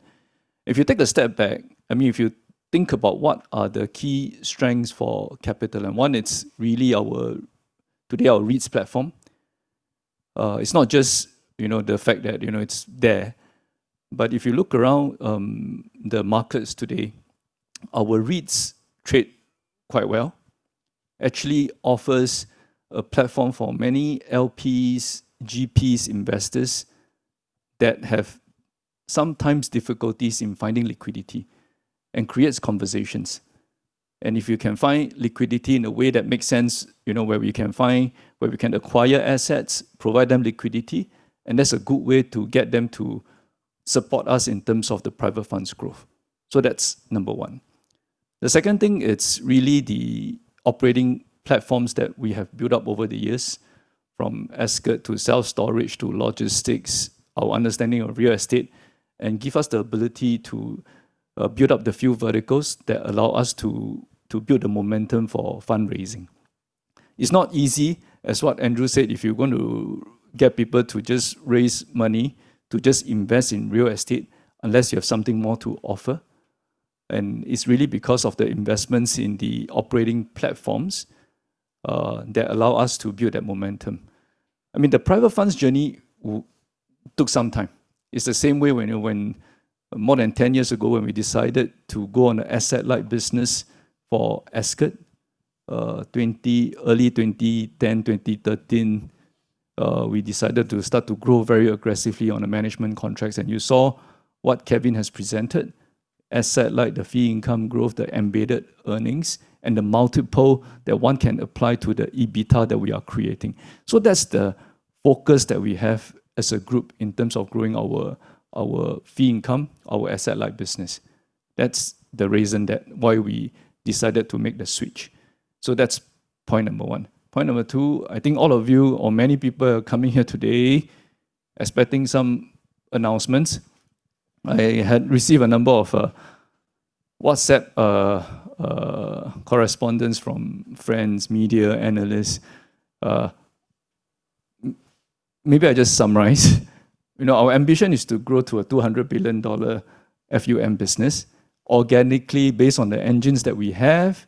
If you take a step back, I mean, if you think about what are the key strengths for CapitaLand, one, it's really our today our REITs platform. It's not just, you know, the fact that, you know, it's there, but if you look around, the markets today, our REITs trade quite well, actually offers a platform for many LPs, GPs, investors that have sometimes difficulties in finding liquidity and creates conversations. And if you can find liquidity in a way that makes sense, you know, where we can find, where we can acquire assets, provide them liquidity, and that's a good way to get them to support us in terms of the private funds growth. So that's number one. The second thing, it's really the operating platforms that we have built up over the years, from Ascott to self-storage to logistics, our understanding of real estate, and give us the ability to build up the few verticals that allow us to build the momentum for fundraising. It's not easy, as what Andrew said, if you're going to get people to just raise money, to just invest in real estate unless you have something more to offer. And it's really because of the investments in the operating platforms, that allow us to build that momentum. I mean, the private funds journey took some time. It's the same way when, you know, when more than 10 years ago, when we decided to go on an asset-light business for Ascott, early 2010, 2013, we decided to start to grow very aggressively on the management contracts. And you saw what Kevin has presented, asset-light the fee income growth, the embedded earnings, and the multiple that one can apply to the EBITDA that we are creating. So that's the focus that we have as a group in terms of growing our fee income, our asset-light business. That's the reason that why we decided to make the switch. So that's point number one. Point number two, I think all of you or many people are coming here today expecting some announcements. I had received a number of WhatsApp correspondence from friends, media analysts. Maybe I just summarize. You know, our ambition is to grow to a $200 billion FUM business organically based on the engines that we have,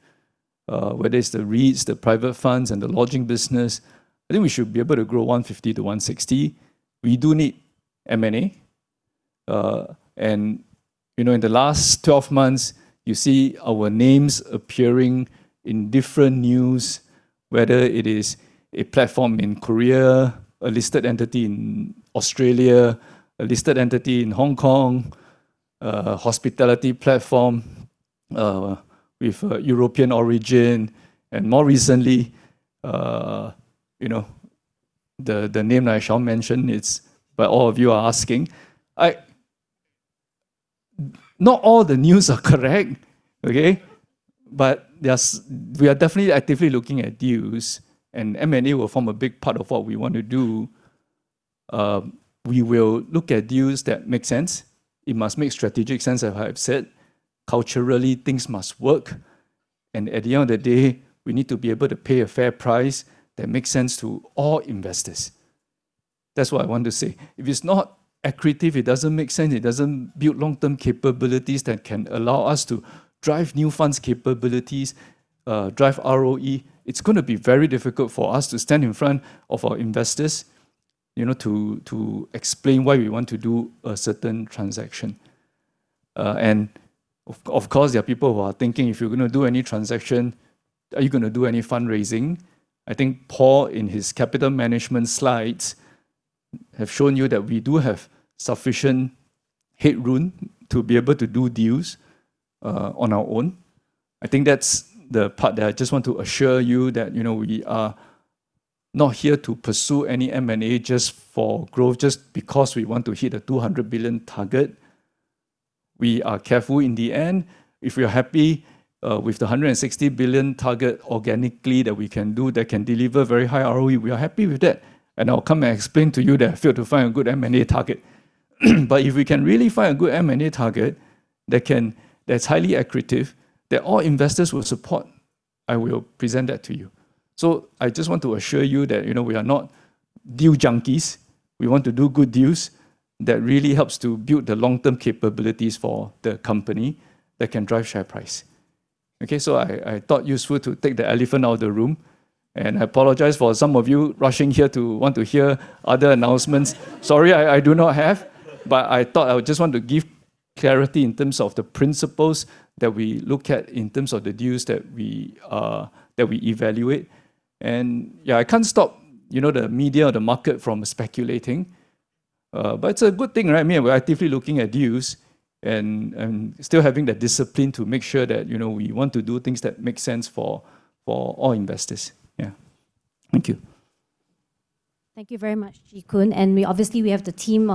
whether it's the REITs, the private funds, and the lodging business. I think we should be able to grow $150 billion-$160 billion. We do need M&A. You know, in the last 12 months, you see our names appearing in different news, whether it is a platform in Korea, a listed entity in Australia, a listed entity in Hong Kong, a hospitality platform with European origin, and more recently, you know, the name that I shall mention, it's. But all of you are asking. Not all the news are correct, okay? But we are definitely actively looking at deals and M&A will form a big part of what we want to do. We will look at deals that make sense. It must make strategic sense, as I have said. Culturally, things must work. And at the end of the day, we need to be able to pay a fair price that makes sense to all investors. That's what I want to say. If it's not accretive, it doesn't make sense. It doesn't build long-term capabilities that can allow us to drive new funds capabilities, drive ROE. It's going to be very difficult for us to stand in front of our investors, you know, to explain why we want to do a certain transaction. Of course, there are people who are thinking, if you're going to do any transaction, are you going to do any fundraising? I think Paul, in his capital management slides, has shown you that we do have sufficient headroom to be able to do deals, on our own. I think that's the part that I just want to assure you that, you know, we are not here to pursue any M&A just for growth, just because we want to hit the 200 billion target. We are careful in the end. If we are happy with the 160 billion target organically that we can do, that can deliver very high ROE, we are happy with that. And I'll come and explain to you that I failed to find a good M&A target. But if we can really find a good M&A target that can that's highly accretive, that all investors will support, I will present that to you. So I just want to assure you that, you know, we are not deal junkies. We want to do good deals that really help to build the long-term capabilities for the company that can drive share price. Okay? So I thought it was useful to take the elephant out of the room and I apologize for some of you rushing here to want to hear other announcements. Sorry, I do not have, but I thought I would just want to give clarity in terms of the principles that we look at in terms of the deals that we, that we evaluate. And yeah, I can't stop, you know, the media or the market from speculating, but it's a good thing, right? I mean, we're actively looking at deals and still having the discipline to make sure that, you know, we want to do things that make sense for all investors. Yeah. Thank you. Thank you very much, Chee Koon. And we obviously have the team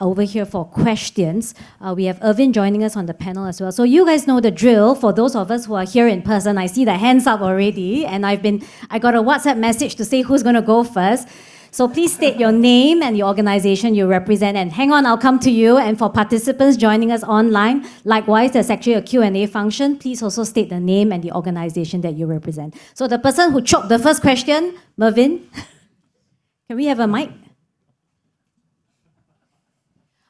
over here for questions. We have Ervin joining us on the panel as well. So you guys know the drill. For those of us who are here in person, I see the hands up already and I've got a WhatsApp message to say who's going to go first. So please state your name and the organisation you represent and hang on, I'll come to you. And for participants joining us online, likewise, there's actually a Q&A function. Please also state the name and the organisation that you represent. So the person who chopped the first question, Mervin, can we have a mic?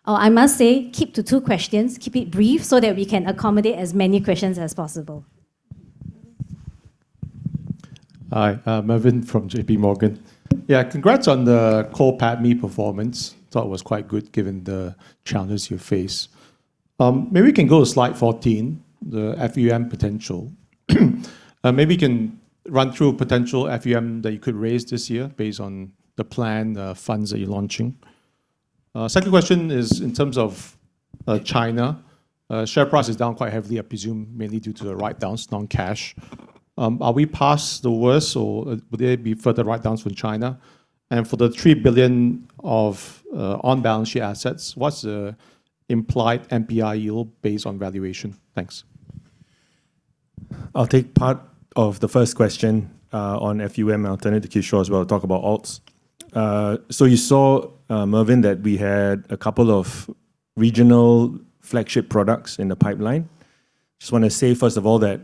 Oh, I must say, keep to two questions. Keep it brief so that we can accommodate as many questions as possible. Hi, Mervin from JP Morgan. Yeah, congrats on the 1Q performance. Thought it was quite good given the challenges you faced. Maybe we can go to slide 14, the FUM potential. Maybe you can run through potential FUM that you could raise this year based on the plan, the funds that you're launching. Second question is in terms of China. Share price is down quite heavily, I presume, mainly due to the write-downs, non-cash. Are we past the worst or would there be further write-downs from China? And for the $3 billion of on-balance sheet assets, what's the implied NPI yield based on valuation? Thanks. I'll take part of the first question on FUM. I'll turn it to Kishore as well to talk about alts. So you saw, Mervin, that we had a couple of regional flagship products in the pipeline. I just want to say, first of all, that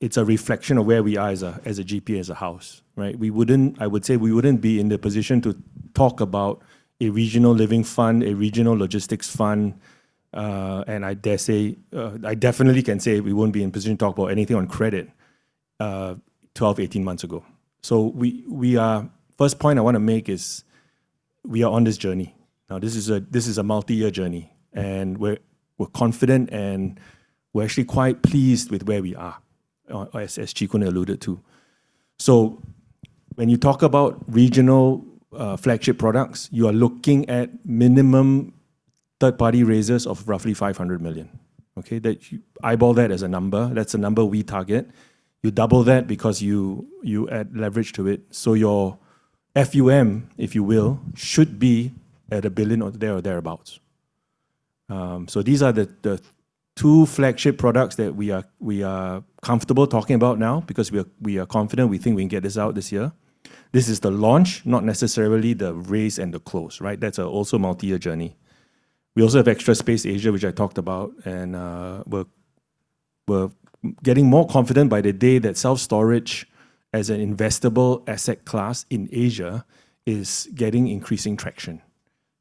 it's a reflection of where we are as a GP, as a house. Right? We wouldn't, I would say, we wouldn't be in the position to talk about a regional living fund, a regional logistics fund. And I dare say, I definitely can say we won't be in the position to talk about anything on credit 12, 18 months ago. So we are, first point I want to make is we are on this journey. Now, this is a multi-year journey and we're confident and we're actually quite pleased with where we are, as Chee Koon alluded to. So when you talk about regional flagship products, you are looking at minimum third-party raisers of roughly $500 million. Okay? That you eyeball that as a number. That's a number we target. You double that because you add leverage to it. So your FUM, if you will, should be at $1 billion or thereabouts. So these are the two flagship products that we are comfortable talking about now because we are confident we think we can get this out this year. This is the launch, not necessarily the raise and the close. Right? That's also a multi-year journey. We also have Extra Space Asia, which I talked about, and we're getting more confident by the day that self-storage as an investable asset class in Asia is getting increasing traction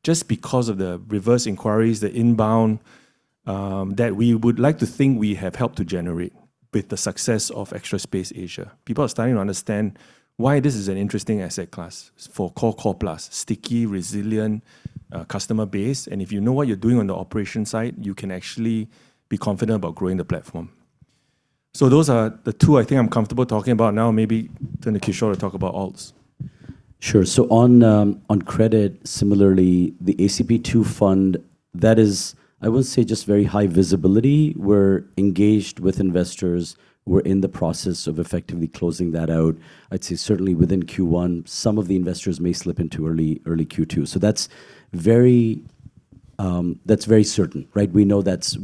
just because of the reverse inquiries, the inbound that we would like to think we have helped to generate with the success of Extra Space Asia. People are starting to understand why this is an interesting asset class for Core+, sticky, resilient customer base. And if you know what you're doing on the operations side, you can actually be confident about growing the platform. So those are the two I think I'm comfortable talking about now. Maybe turn to Kishore to talk about alts. Sure. So on credit, similarly, the ACP2 fund, that is, I wouldn't say just very high visibility. We're engaged with investors. We're in the process of effectively closing that out. I'd say certainly within Q1, some of the investors may slip into early Q2. So that's very certain. Right? We know that's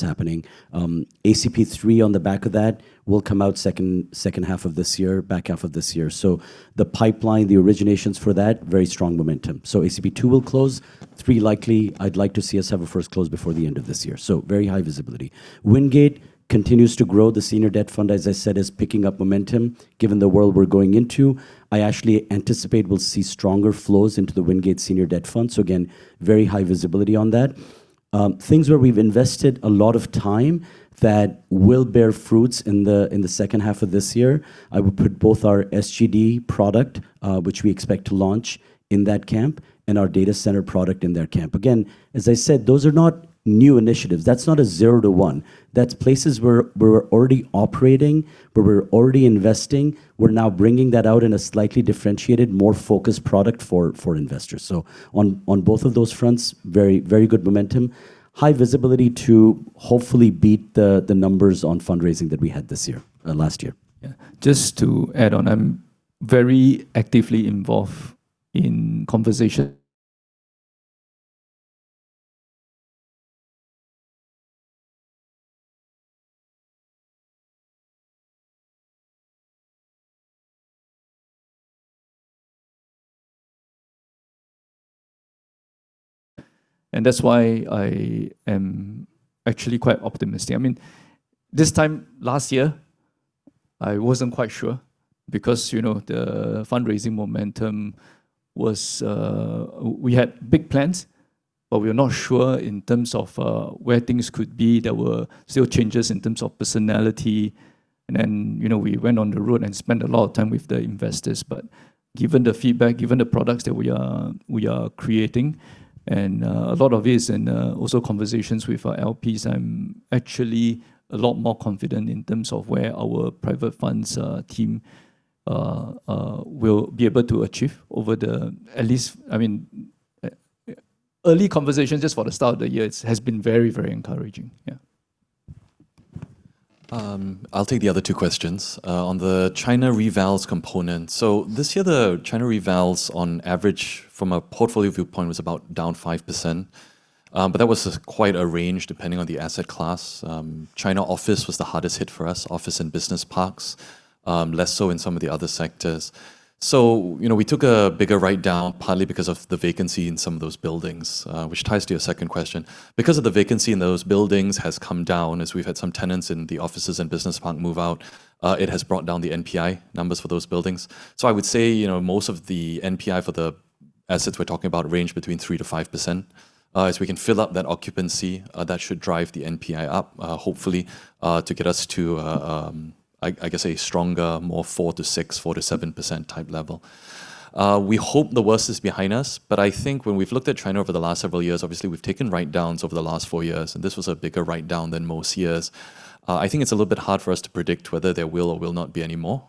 happening. ACP3 on the back of that will come out second half of this year, back half of this year. So the pipeline, the originations for that, very strong momentum. So ACP2 will close. Three likely. I'd like to see us have a first close before the end of this year. So very high visibility. Wingate continues to grow. The senior debt fund, as I said, is picking up momentum given the world we're going into. I actually anticipate we'll see stronger flows into the Wingate senior debt fund. So again, very high visibility on that. Things where we've invested a lot of time that will bear fruits in the second half of this year. I would put both our SGD product, which we expect to launch in that camp, and our data center product in that camp. Again, as I said, those are not new initiatives. That's not a zero to one. That's places where we're already operating, where we're already investing. We're now bringing that out in a slightly differentiated, more focused product for investors. So on both of those fronts, very, very good momentum, high visibility to hopefully beat the numbers on fundraising that we had this year, last year. Yeah. Just to add on, I'm very actively involved in conversation. And that's why I am actually quite optimistic. I mean, this time last year, I wasn't quite sure because, you know, the fundraising momentum was, we had big plans, but we were not sure in terms of where things could be. There were still changes in terms of personality. And then, you know, we went on the road and spent a lot of time with the investors. But given the feedback, given the products that we are creating, and a lot of it is in also conversations with our LPs, I'm actually a lot more confident in terms of where our private funds team will be able to achieve over the, at least, I mean, early conversations just for the start of the year, it has been very, very encouraging. Yeah. I'll take the other two questions. On the China revalues component, so this year, the China revalues, on average, from a portfolio viewpoint, was about down 5%, but that was quite a range depending on the asset class. China office was the hardest hit for us, office and business parks, less so in some of the other sectors. So, you know, we took a bigger write-down partly because of the vacancy in some of those buildings, which ties to your second question. Because of the vacancy in those buildings has come down, as we've had some tenants in the offices and business park move out, it has brought down the NPI numbers for those buildings. So I would say, you know, most of the NPI for the assets we're talking about ranged between 3%-5%. As we can fill up that occupancy, that should drive the NPI up, hopefully, to get us to, I guess, a stronger, more 4%-6%, 4%-7% type level. We hope the worst is behind us, but I think when we've looked at China over the last several years, obviously we've taken write-downs over the last four years and this was a bigger write-down than most years. I think it's a little bit hard for us to predict whether there will or will not be any more.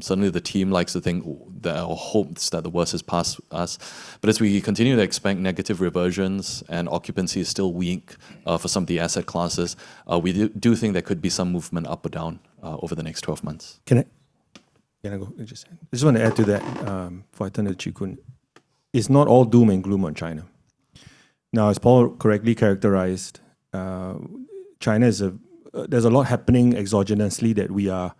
Suddenly, the team likes to think or hopes that the worst has passed us. But as we continue to expect negative reversions and occupancy is still weak for some of the asset classes, we do think there could be some movement up or down over the next 12 months. Can I go just say, I just want to add to that before I turn it to Chee Koon. It's not all doom and gloom on China. Now, as Paul correctly characterised, China is a, there's a lot happening exogenously that we are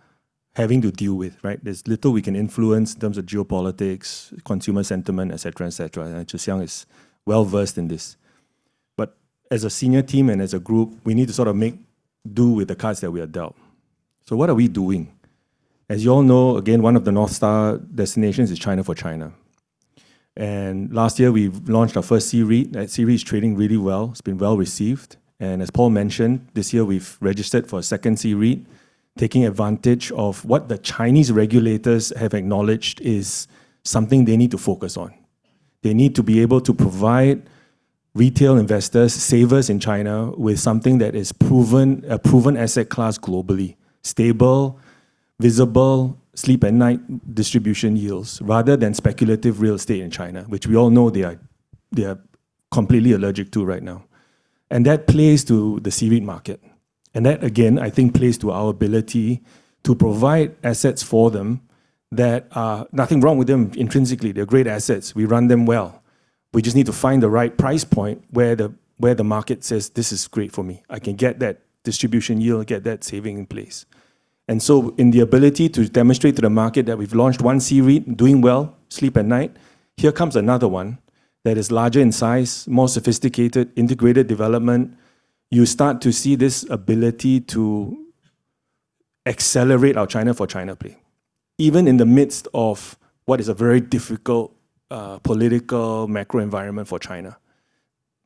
having to deal with. Right? There's little we can influence in terms of geopolitics, consumer sentiment, etc., etc. And Chu Shang is well versed in this. But as a senior team and as a group, we need to sort of make do with the cards that we are dealt. So what are we doing? As you all know, again, one of the North Star destinations is China for China. And last year, we launched our first C-REIT. That C-REIT is trading really well. It's been well received. As Paul mentioned, this year we've registered for a second C-REIT, taking advantage of what the Chinese regulators have acknowledged is something they need to focus on. They need to be able to provide retail investors, savers in China with something that is a proven asset class globally, stable, visible sleep-at-night distribution yields rather than speculative real estate in China, which we all know they are completely allergic to right now. That plays to the C-REIT market. That, again, I think plays to our ability to provide assets for them that are nothing wrong with them intrinsically. They're great assets. We run them well. We just need to find the right price point where the market says, "This is great for me. I can get that distribution yield, get that saving in place." And so in the ability to demonstrate to the market that we've launched one C-REIT doing well, sleep-at-night, here comes another one that is larger in size, more sophisticated, integrated development. You start to see this ability to accelerate our China for China play, even in the midst of what is a very difficult political macro environment for China.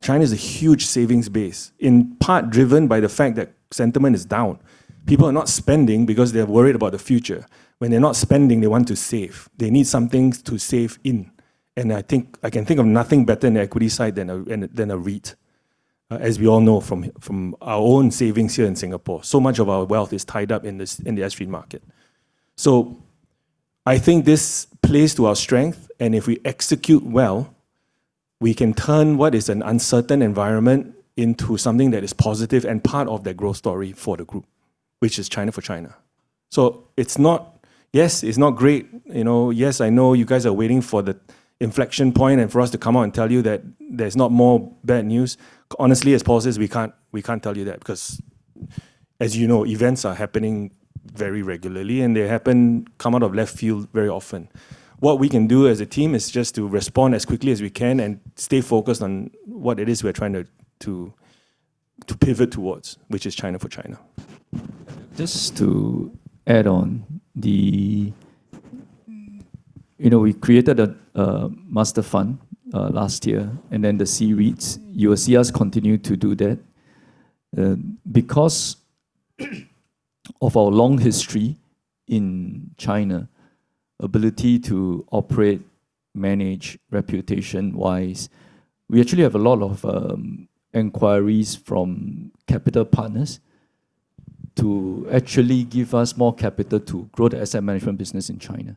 China is a huge savings base, in part driven by the fact that sentiment is down. People are not spending because they're worried about the future. When they're not spending, they want to save. They need something to save in. And I think I can think of nothing better in the equity side than a REIT, as we all know from our own savings here in Singapore. So much of our wealth is tied up in the S-REIT market. So I think this plays to our strength. And if we execute well, we can turn what is an uncertain environment into something that is positive and part of the growth story for the group, which is China for China. So it's not, yes, it's not great. You know, yes, I know you guys are waiting for the inflection point and for us to come out and tell you that there's not more bad news. Honestly, as Paul says, we can't tell you that because, as you know, events are happening very regularly and they come out of left field very often. What we can do as a team is just to respond as quickly as we can and stay focused on what it is we're trying to pivot towards, which is China for China. Just to add on, you know, we created a master fund last year and then the C-REITs. CSRC continued to do that. Because of our long history in China, ability to operate, manage reputation-wise, we actually have a lot of inquiries from capital partners to actually give us more capital to grow the asset management business in China.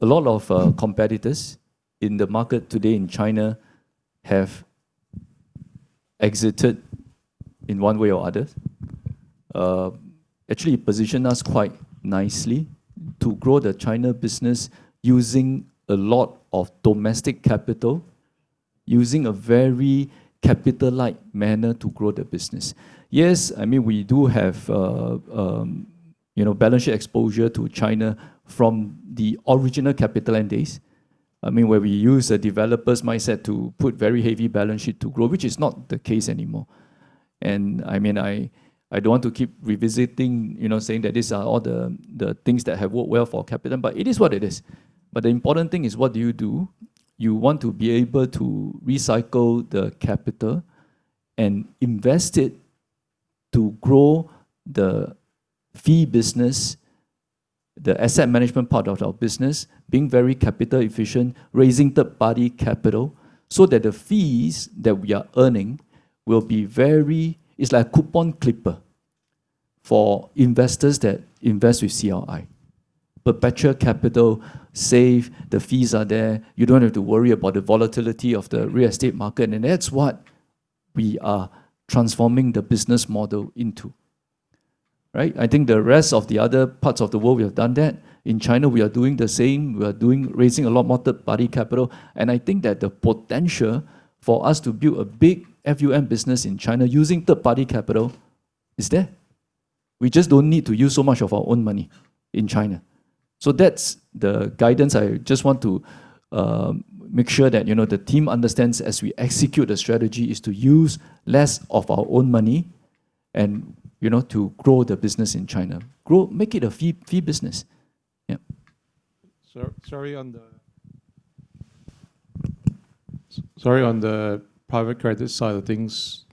A lot of competitors in the market today in China have exited in one way or other, actually positioned us quite nicely to grow the China business using a lot of domestic capital, using a very capital-like manner to grow the business. Yes, I mean, we do have, you know, balance sheet exposure to China from the original CapitaLand days, I mean, where we used a developer's mindset to put very heavy balance sheet to grow, which is not the case anymore. And I mean, I don't want to keep revisiting, you know, saying that these are all the things that have worked well for CapitaLand, but it is what it is. But the important thing is what do you do? You want to be able to recycle the capital and invest it to grow the fee business, the asset management part of our business, being very capital efficient, raising third-party capital so that the fees that we are earning will be very, it's like a coupon clipper for investors that invest with CRI. Perpetual capital, save, the fees are there. You don't have to worry about the volatility of the real estate market. And that's what we are transforming the business model into. Right? I think the rest of the other parts of the world, we have done that. In China, we are doing the same. We are doing raising a lot more third-party capital. I think that the potential for us to build a big FUM business in China using third-party capital is there. We just don't need to use so much of our own money in China. That's the guidance. I just want to make sure that, you know, the team understands as we execute the strategy is to use less of our own money and, you know, to grow the business in China, make it a fee business. Yeah. Sorry, on the private credit side of things,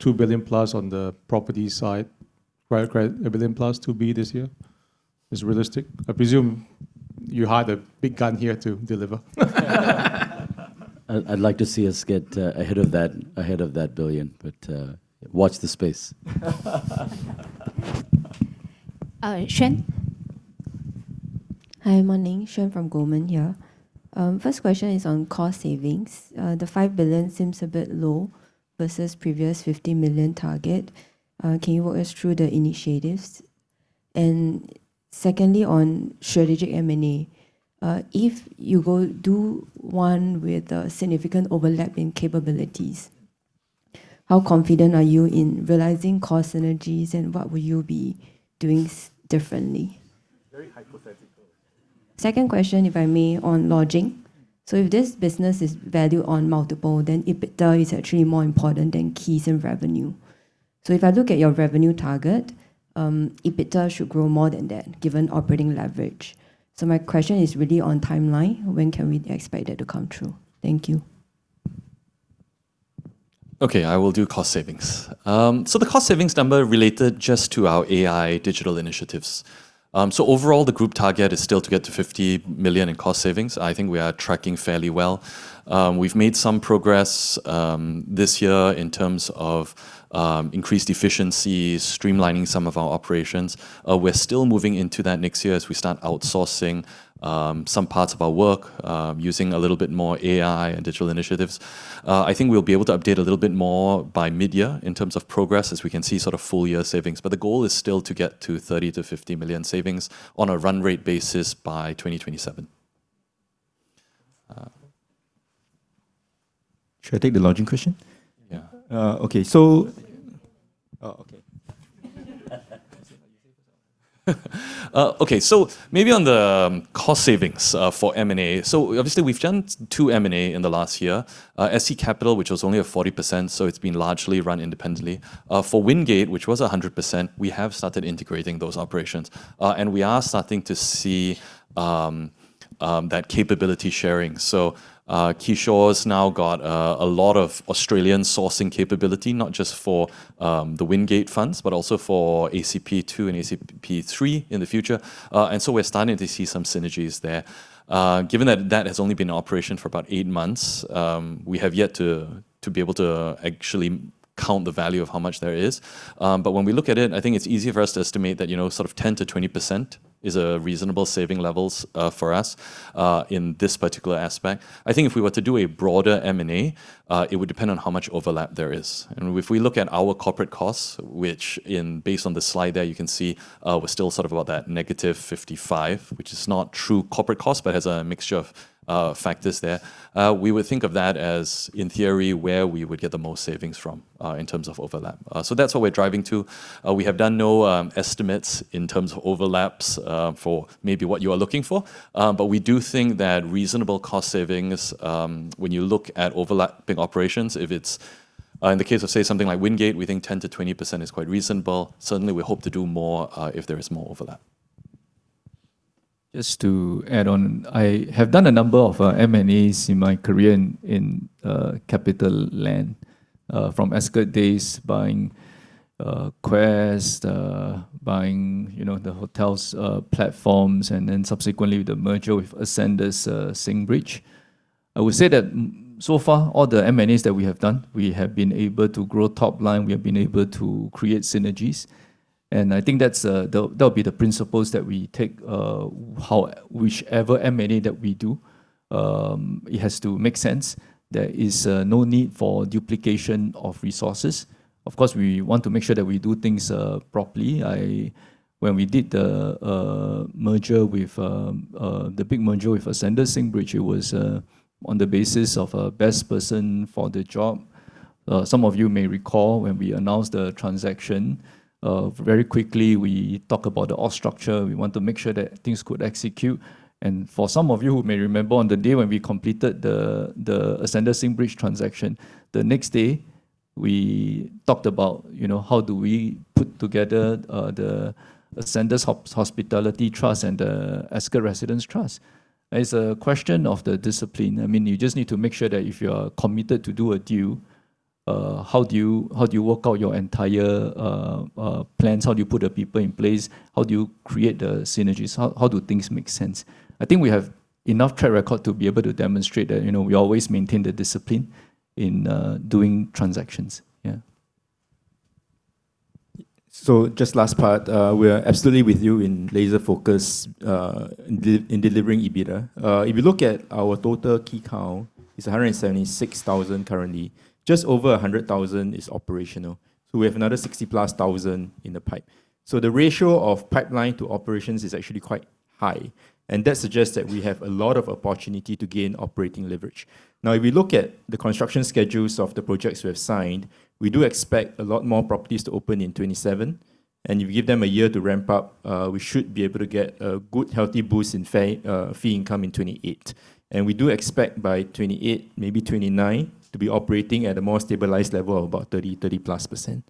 $2 billion plus on the property side, private credit $1 billion plus $2 billion this year. Is it realistic? I presume you hired a big gun here to deliver. I'd like to see us get ahead of that billion, but watch the space. Shuen. Hi, morning. Shuen from Goldman here. First question is on cost savings. The $5 billion seems a bit low versus the previous $50 million target. Can you walk us through the initiatives? And secondly, on strategic M&A, if you go do one with a significant overlap in capabilities, how confident are you in realizing cost synergies and what would you be doing differently? Very hypothetical. Second question, if I may, on lodging. So if this business is valued on multiple, then EBITDA is actually more important than keys and revenue. So if I look at your revenue target, EBITDA should grow more than that given operating leverage. So my question is really on timeline. When can we expect that to come true? Thank you. Okay, I will do cost savings. So the cost savings number related just to our AI digital initiatives. So overall, the group target is still to get to $50 million in cost savings. I think we are tracking fairly well. We've made some progress this year in terms of increased efficiency, streamlining some of our operations. We're still moving into that next year as we start outsourcing some parts of our work using a little bit more AI and digital initiatives. I think we'll be able to update a little bit more by midyear in terms of progress as we can see sort of full-year savings. But the goal is still to get to $30 million-$50 million savings on a run-rate basis by 2027. Should I take the lodging question? Yeah. Okay, so. Oh, okay. Okay, so maybe on the cost savings for M&A. So obviously we've done 2 M&A in the last year. SC Capital, which was only at 40%, so it's been largely run independently. For Wingate, which was 100%, we have started integrating those operations and we are starting to see that capability sharing. So Kishore's now got a lot of Australian sourcing capability, not just for the Wingate funds, but also for ACP2 and ACP3 in the future. And so we're starting to see some synergies there. Given that that has only been an operation for about 8 months, we have yet to be able to actually count the value of how much there is. But when we look at it, I think it's easy for us to estimate that, you know, sort of 10%-20% is a reasonable saving level for us in this particular aspect. I think if we were to do a broader M&A, it would depend on how much overlap there is. If we look at our corporate costs, which based on the slide there you can see, we're still sort of about that -55%, which is not true corporate costs, but has a mixture of factors there. We would think of that as, in theory, where we would get the most savings from in terms of overlap. So that's what we're driving to. We have done no estimates in terms of overlaps for maybe what you are looking for, but we do think that reasonable cost savings, when you look at overlapping operations, if it's in the case of, say, something like Wingate, we think 10%-20% is quite reasonable. Certainly, we hope to do more if there is more overlap. Just to add on, I have done a number of M&As in my career in CapitaLand, from Ascott days, buying Quest, buying the hotel's platforms, and then subsequently the merger with Ascendas-Singbridge. I would say that so far, all the M&As that we have done, we have been able to grow top line. We have been able to create synergies. And I think that will be the principles that we take whichever M&A that we do, it has to make sense. There is no need for duplication of resources. Of course, we want to make sure that we do things properly. When we did the merger with the big merger with Ascendas-Singbridge, it was on the basis of a best person for the job. Some of you may recall when we announced the transaction, very quickly we talked about the org structure. We want to make sure that things could execute. And for some of you who may remember, on the day when we completed the Ascendas-Singbridge transaction, the next day we talked about how do we put together the Ascendas Hospitality Trust and the Ascott Residence Trust. It's a question of the discipline. I mean, you just need to make sure that if you are committed to do a deal, how do you work out your entire plans? How do you put the people in place? How do you create the synergies? How do things make sense? I think we have enough track record to be able to demonstrate that we always maintain the discipline in doing transactions. Yeah. So just last part, we are absolutely with you in laser focus in delivering EBITDA. If you look at our total key count, it's 176,000 currently. Just over 100,000 is operational. So we have another 60,000 plus in the pipeline. So the ratio of pipeline to operations is actually quite high. And that suggests that we have a lot of opportunity to gain operating leverage. Now, if we look at the construction schedules of the projects we have signed, we do expect a lot more properties to open in 2027. And if we give them a year to ramp up, we should be able to get a good, healthy boost in fee income in 2028. And we do expect by 2028, maybe 2029, to be operating at a more stabilized level of about 30%, 30%+.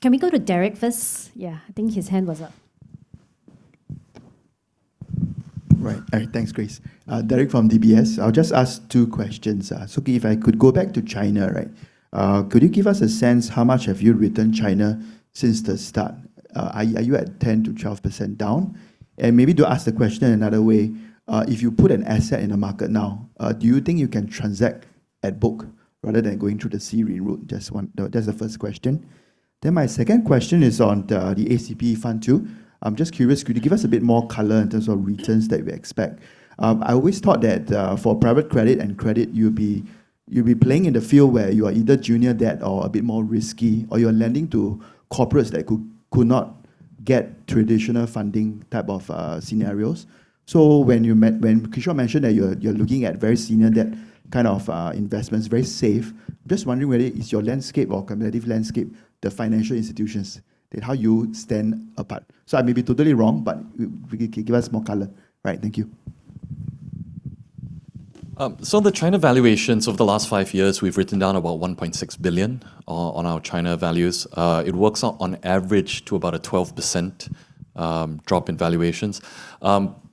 Can we go to Derek first? Yeah, I think his hand was up. Right. Thanks, Grace. Derek from DBS. I'll just ask two questions. Suki, if I could go back to China, right, could you give us a sense how much have you returned China since the start? Are you at 10%-12% down? And maybe to ask the question another way, if you put an asset in a market now, do you think you can transact at book rather than going through the C-REIT route? That's the first question. Then my second question is on the ACP Fund too. I'm just curious, could you give us a bit more color in terms of returns that we expect? I always thought that for private credit and credit, you'll be playing in the field where you are either junior debt or a bit more risky, or you're lending to corporates that could not get traditional funding type of scenarios. When Kishore mentioned that you're looking at very senior debt kind of investments, very safe, I'm just wondering whether it's your landscape or cumulative landscape, the financial institutions, how you stand apart. I may be totally wrong, but give us more color. Right. Thank you. So on the China valuations of the last five years, we've written down about $1.6 billion on our China values. It works out on average to about a 12% drop in valuations.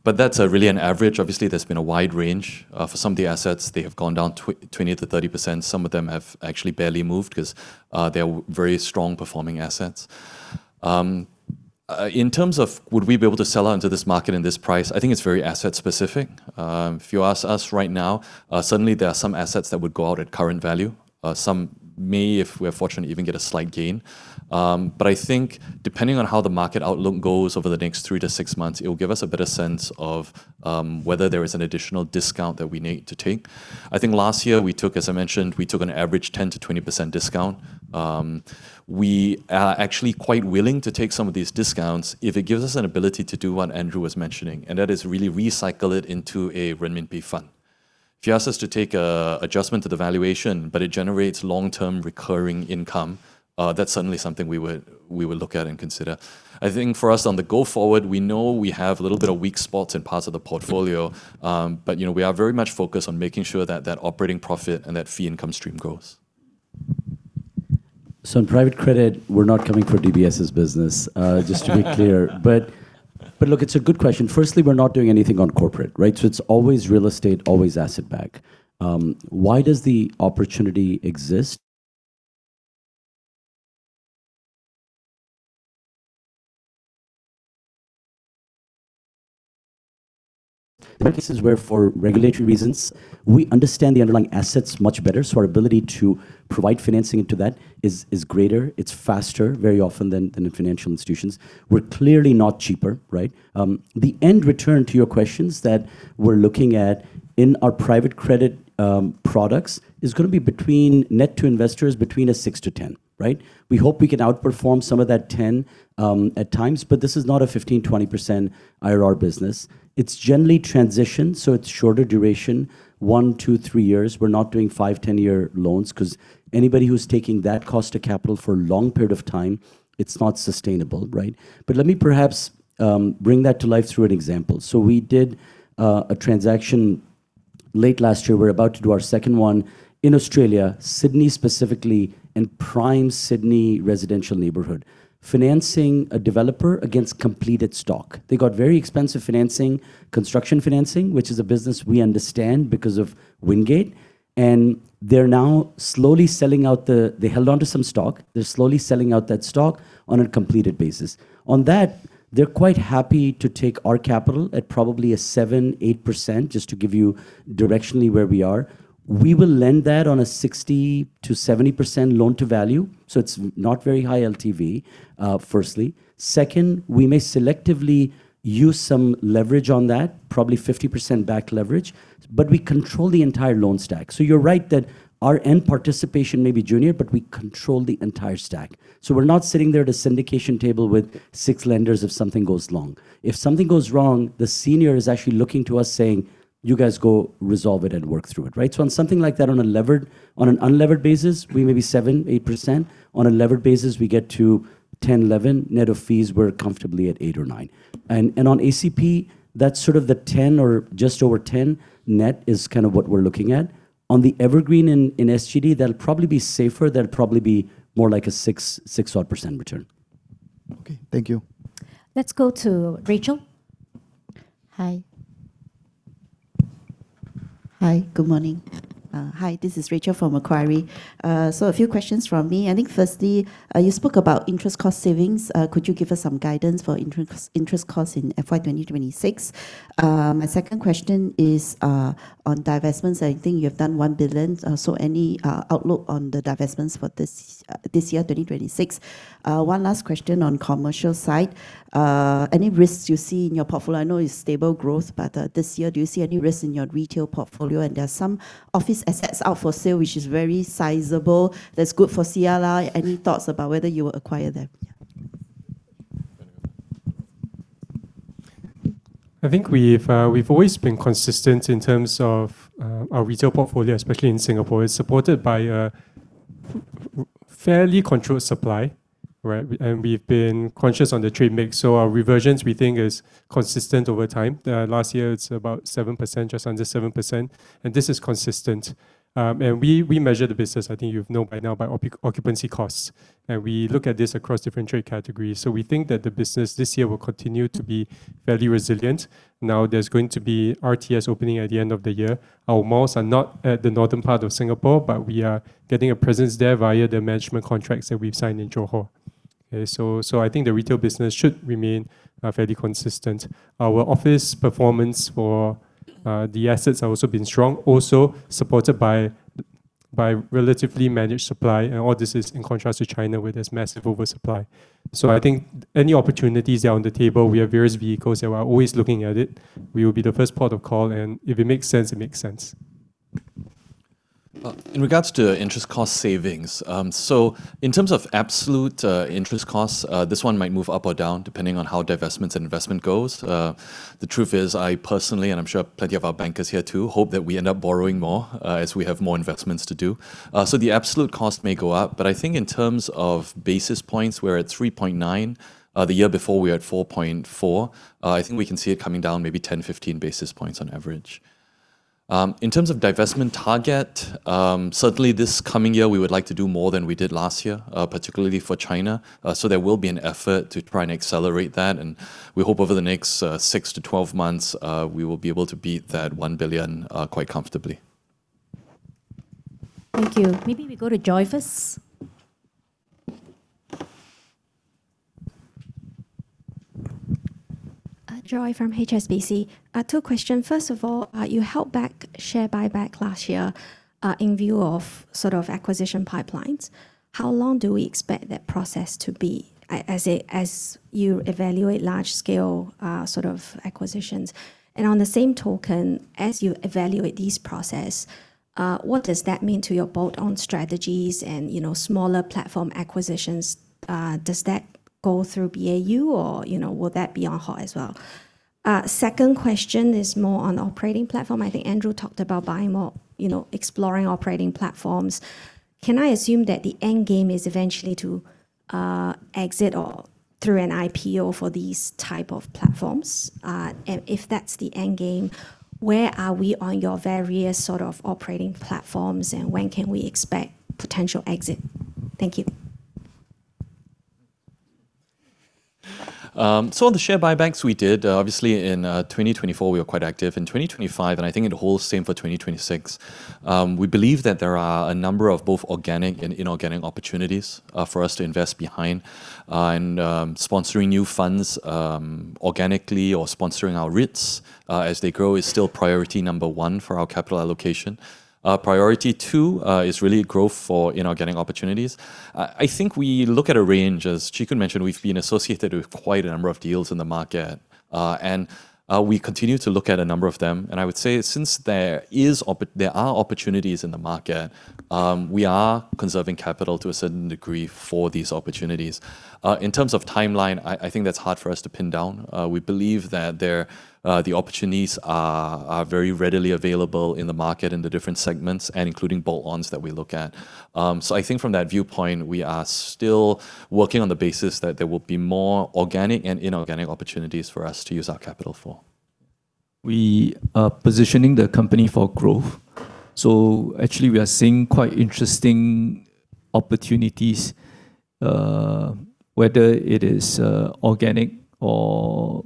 But that's really an average. Obviously, there's been a wide range. For some of the assets, they have gone down 20%-30%. Some of them have actually barely moved because they are very strong performing assets. In terms of would we be able to sell out into this market in this price, I think it's very asset specific. If you ask us right now, certainly there are some assets that would go out at current value. Some may, if we are fortunate, even get a slight gain. But I think depending on how the market outlook goes over the next 3-6 months, it will give us a better sense of whether there is an additional discount that we need to take. I think last year we took, as I mentioned, we took an average 10%-20% discount. We are actually quite willing to take some of these discounts if it gives us an ability to do what Andrew was mentioning, and that is really recycle it into a renminbi fund. If he asks us to take an adjustment to the valuation, but it generates long-term recurring income, that's certainly something we would look at and consider. I think for us on the go forward, we know we have a little bit of weak spots in parts of the portfolio, but we are very much focused on making sure that that operating profit and that fee income stream grows. So in private credit, we're not coming for DBS's business, just to be clear. But look, it's a good question. Firstly, we're not doing anything on corporate, right? So it's always real estate, always asset back. Why does the opportunity exist? In cases where for regulatory reasons, we understand the underlying assets much better, so our ability to provide financing into that is greater. It's faster very often than in financial institutions. We're clearly not cheaper. Right. The end return to your questions that we're looking at in our private credit products is going to be between net to investors, between 6%-10%. Right. We hope we can outperform some of that 10% at times, but this is not a 15%-20% IRR business. It's generally transition, so it's shorter duration, one, two, three years. We're not doing 5, 10-year loans because anybody who's taking that cost of capital for a long period of time, it's not sustainable. Right. But let me perhaps bring that to life through an example. So we did a transaction late last year. We're about to do our second one in Australia, Sydney specifically, in prime Sydney residential neighborhood, financing a developer against completed stock. They got very expensive financing, construction financing, which is a business we understand because of Wingate, and they're now slowly selling out the they held onto some stock. They're slowly selling out that stock on a completed basis. On that, they're quite happy to take our capital at probably a 7%, 8%, just to give you directionally where we are. We will lend that on a 60%-70% loan to value. So it's not very high LTV, firstly. Second, we may selectively use some leverage on that, probably 50% back leverage, but we control the entire loan stack. So you're right that our end participation may be junior, but we control the entire stack. So we're not sitting there at a syndication table with six lenders if something goes wrong. If something goes wrong, the senior is actually looking to us saying, "You guys go resolve it and work through it." Right. So on something like that, on an unlevered basis, we may be 7%-8%. On a levered basis, we get to 10%-11% net of fees. We're comfortably at 8% or 9%. And on ACP, that's sort of the 10% or just over 10% net is kind of what we're looking at. On the evergreen in SGD, that'll probably be safer. That'll probably be more like a 6% or 7% return. Okay, thank you. Let's go to Rachel. Hi. Hi, good morning. Hi, this is Rachel from Macquarie. So a few questions from me. I think firstly, you spoke about interest cost savings. Could you give us some guidance for interest costs in FY 2026? My second question is on divestments. I think you have done 1 billion. So any outlook on the divestments for this year, 2026? One last question on the commercial side. Any risks you see in your portfolio? I know it's stable growth, but this year, do you see any risks in your retail portfolio? And there are some office assets out for sale, which is very sizable. That's good for CLAR. Any thoughts about whether you will acquire them? I think we've always been consistent in terms of our retail portfolio, especially in Singapore. It's supported by a fairly controlled supply, right? And we've been conscious on the trade mix. So our reversions, we think, are consistent over time. Last year, it's about 7%, just under 7%. And this is consistent. And we measure the business, I think you know by now, by occupancy costs. And we look at this across different trade categories. So we think that the business this year will continue to be fairly resilient. Now, there's going to be RTS opening at the end of the year. Our malls are not at the northern part of Singapore, but we are getting a presence there via the management contracts that we've signed in Johor. Okay. So I think the retail business should remain fairly consistent. Our office performance for the assets has also been strong, also supported by relatively managed supply. All this is in contrast to China with its massive oversupply. So I think any opportunities there on the table, we have various vehicles that we are always looking at it. We will be the first port of call. If it makes sense, it makes sense. In regards to interest cost savings, so in terms of absolute interest costs, this one might move up or down depending on how divestments and investment goes. The truth is, I personally, and I'm sure plenty of our bankers here too, hope that we end up borrowing more as we have more investments to do. So the absolute cost may go up. But I think in terms of basis points, we're at 3.9%. The year before, we were at 4.4%. I think we can see it coming down maybe 10-15 basis points on average. In terms of divestment target, certainly this coming year, we would like to do more than we did last year, particularly for China. So there will be an effort to try and accelerate that. And we hope over the next six to 12 months, we will be able to beat that 1 billion quite comfortably. Thank you. Maybe we go to Joy first. Joy from HSBC. Two questions. First of all, you held back share buyback last year in view of sort of acquisition pipelines. How long do we expect that process to be as you evaluate large-scale sort of acquisitions? And on the same token, as you evaluate these processes, what does that mean to your bolt-on strategies and smaller platform acquisitions? Does that go through BAU, or will that be on hold as well? Second question is more on operating platform. I think Andrew talked about buying more, exploring operating platforms. Can I assume that the end game is eventually to exit or through an IPO for these type of platforms? And if that's the end game, where are we on your various sort of operating platforms, and when can we expect potential exit? Thank you. So on the share buybacks we did, obviously in 2024, we were quite active. In 2025, and I think in the whole same for 2026, we believe that there are a number of both organic and inorganic opportunities for us to invest behind. And sponsoring new funds organically or sponsoring our REITs as they grow is still priority number one for our capital allocation. Priority two is really growth for inorganic opportunities. I think we look at a range. As Chee Koon mentioned, we've been associated with quite a number of deals in the market, and we continue to look at a number of them. And I would say since there are opportunities in the market, we are conserving capital to a certain degree for these opportunities. In terms of timeline, I think that's hard for us to pin down. We believe that the opportunities are very readily available in the market in the different segments, including bolt-ons that we look at. I think from that viewpoint, we are still working on the basis that there will be more organic and inorganic opportunities for us to use our capital for. We are positioning the company for growth. So actually, we are seeing quite interesting opportunities, whether it is organic or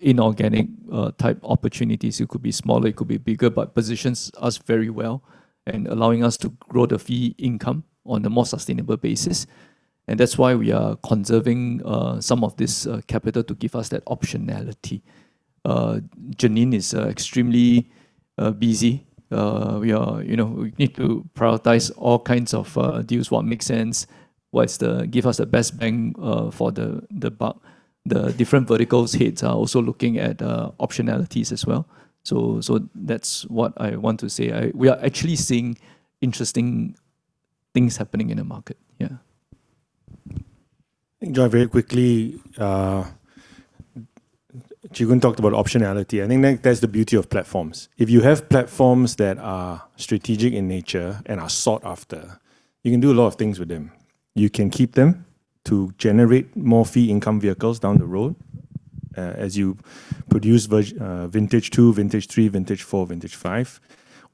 inorganic type opportunities. It could be smaller, it could be bigger, but positions us very well and allowing us to grow the fee income on a more sustainable basis. And that's why we are conserving some of this capital to give us that optionality. Janine is extremely busy. We need to prioritize all kinds of deals, what makes sense, what gives us the best bang for the buck. The different verticals heads are also looking at optionalities as well. So that's what I want to say. We are actually seeing interesting things happening in the market. Yeah. I think Joy, very quickly, Chee Koon talked about optionality. I think that's the beauty of platforms. If you have platforms that are strategic in nature and are sought after, you can do a lot of things with them. You can keep them to generate more fee income vehicles down the road as you produce Vintage Two, Vintage Three, Vintage Four, Vintage Five,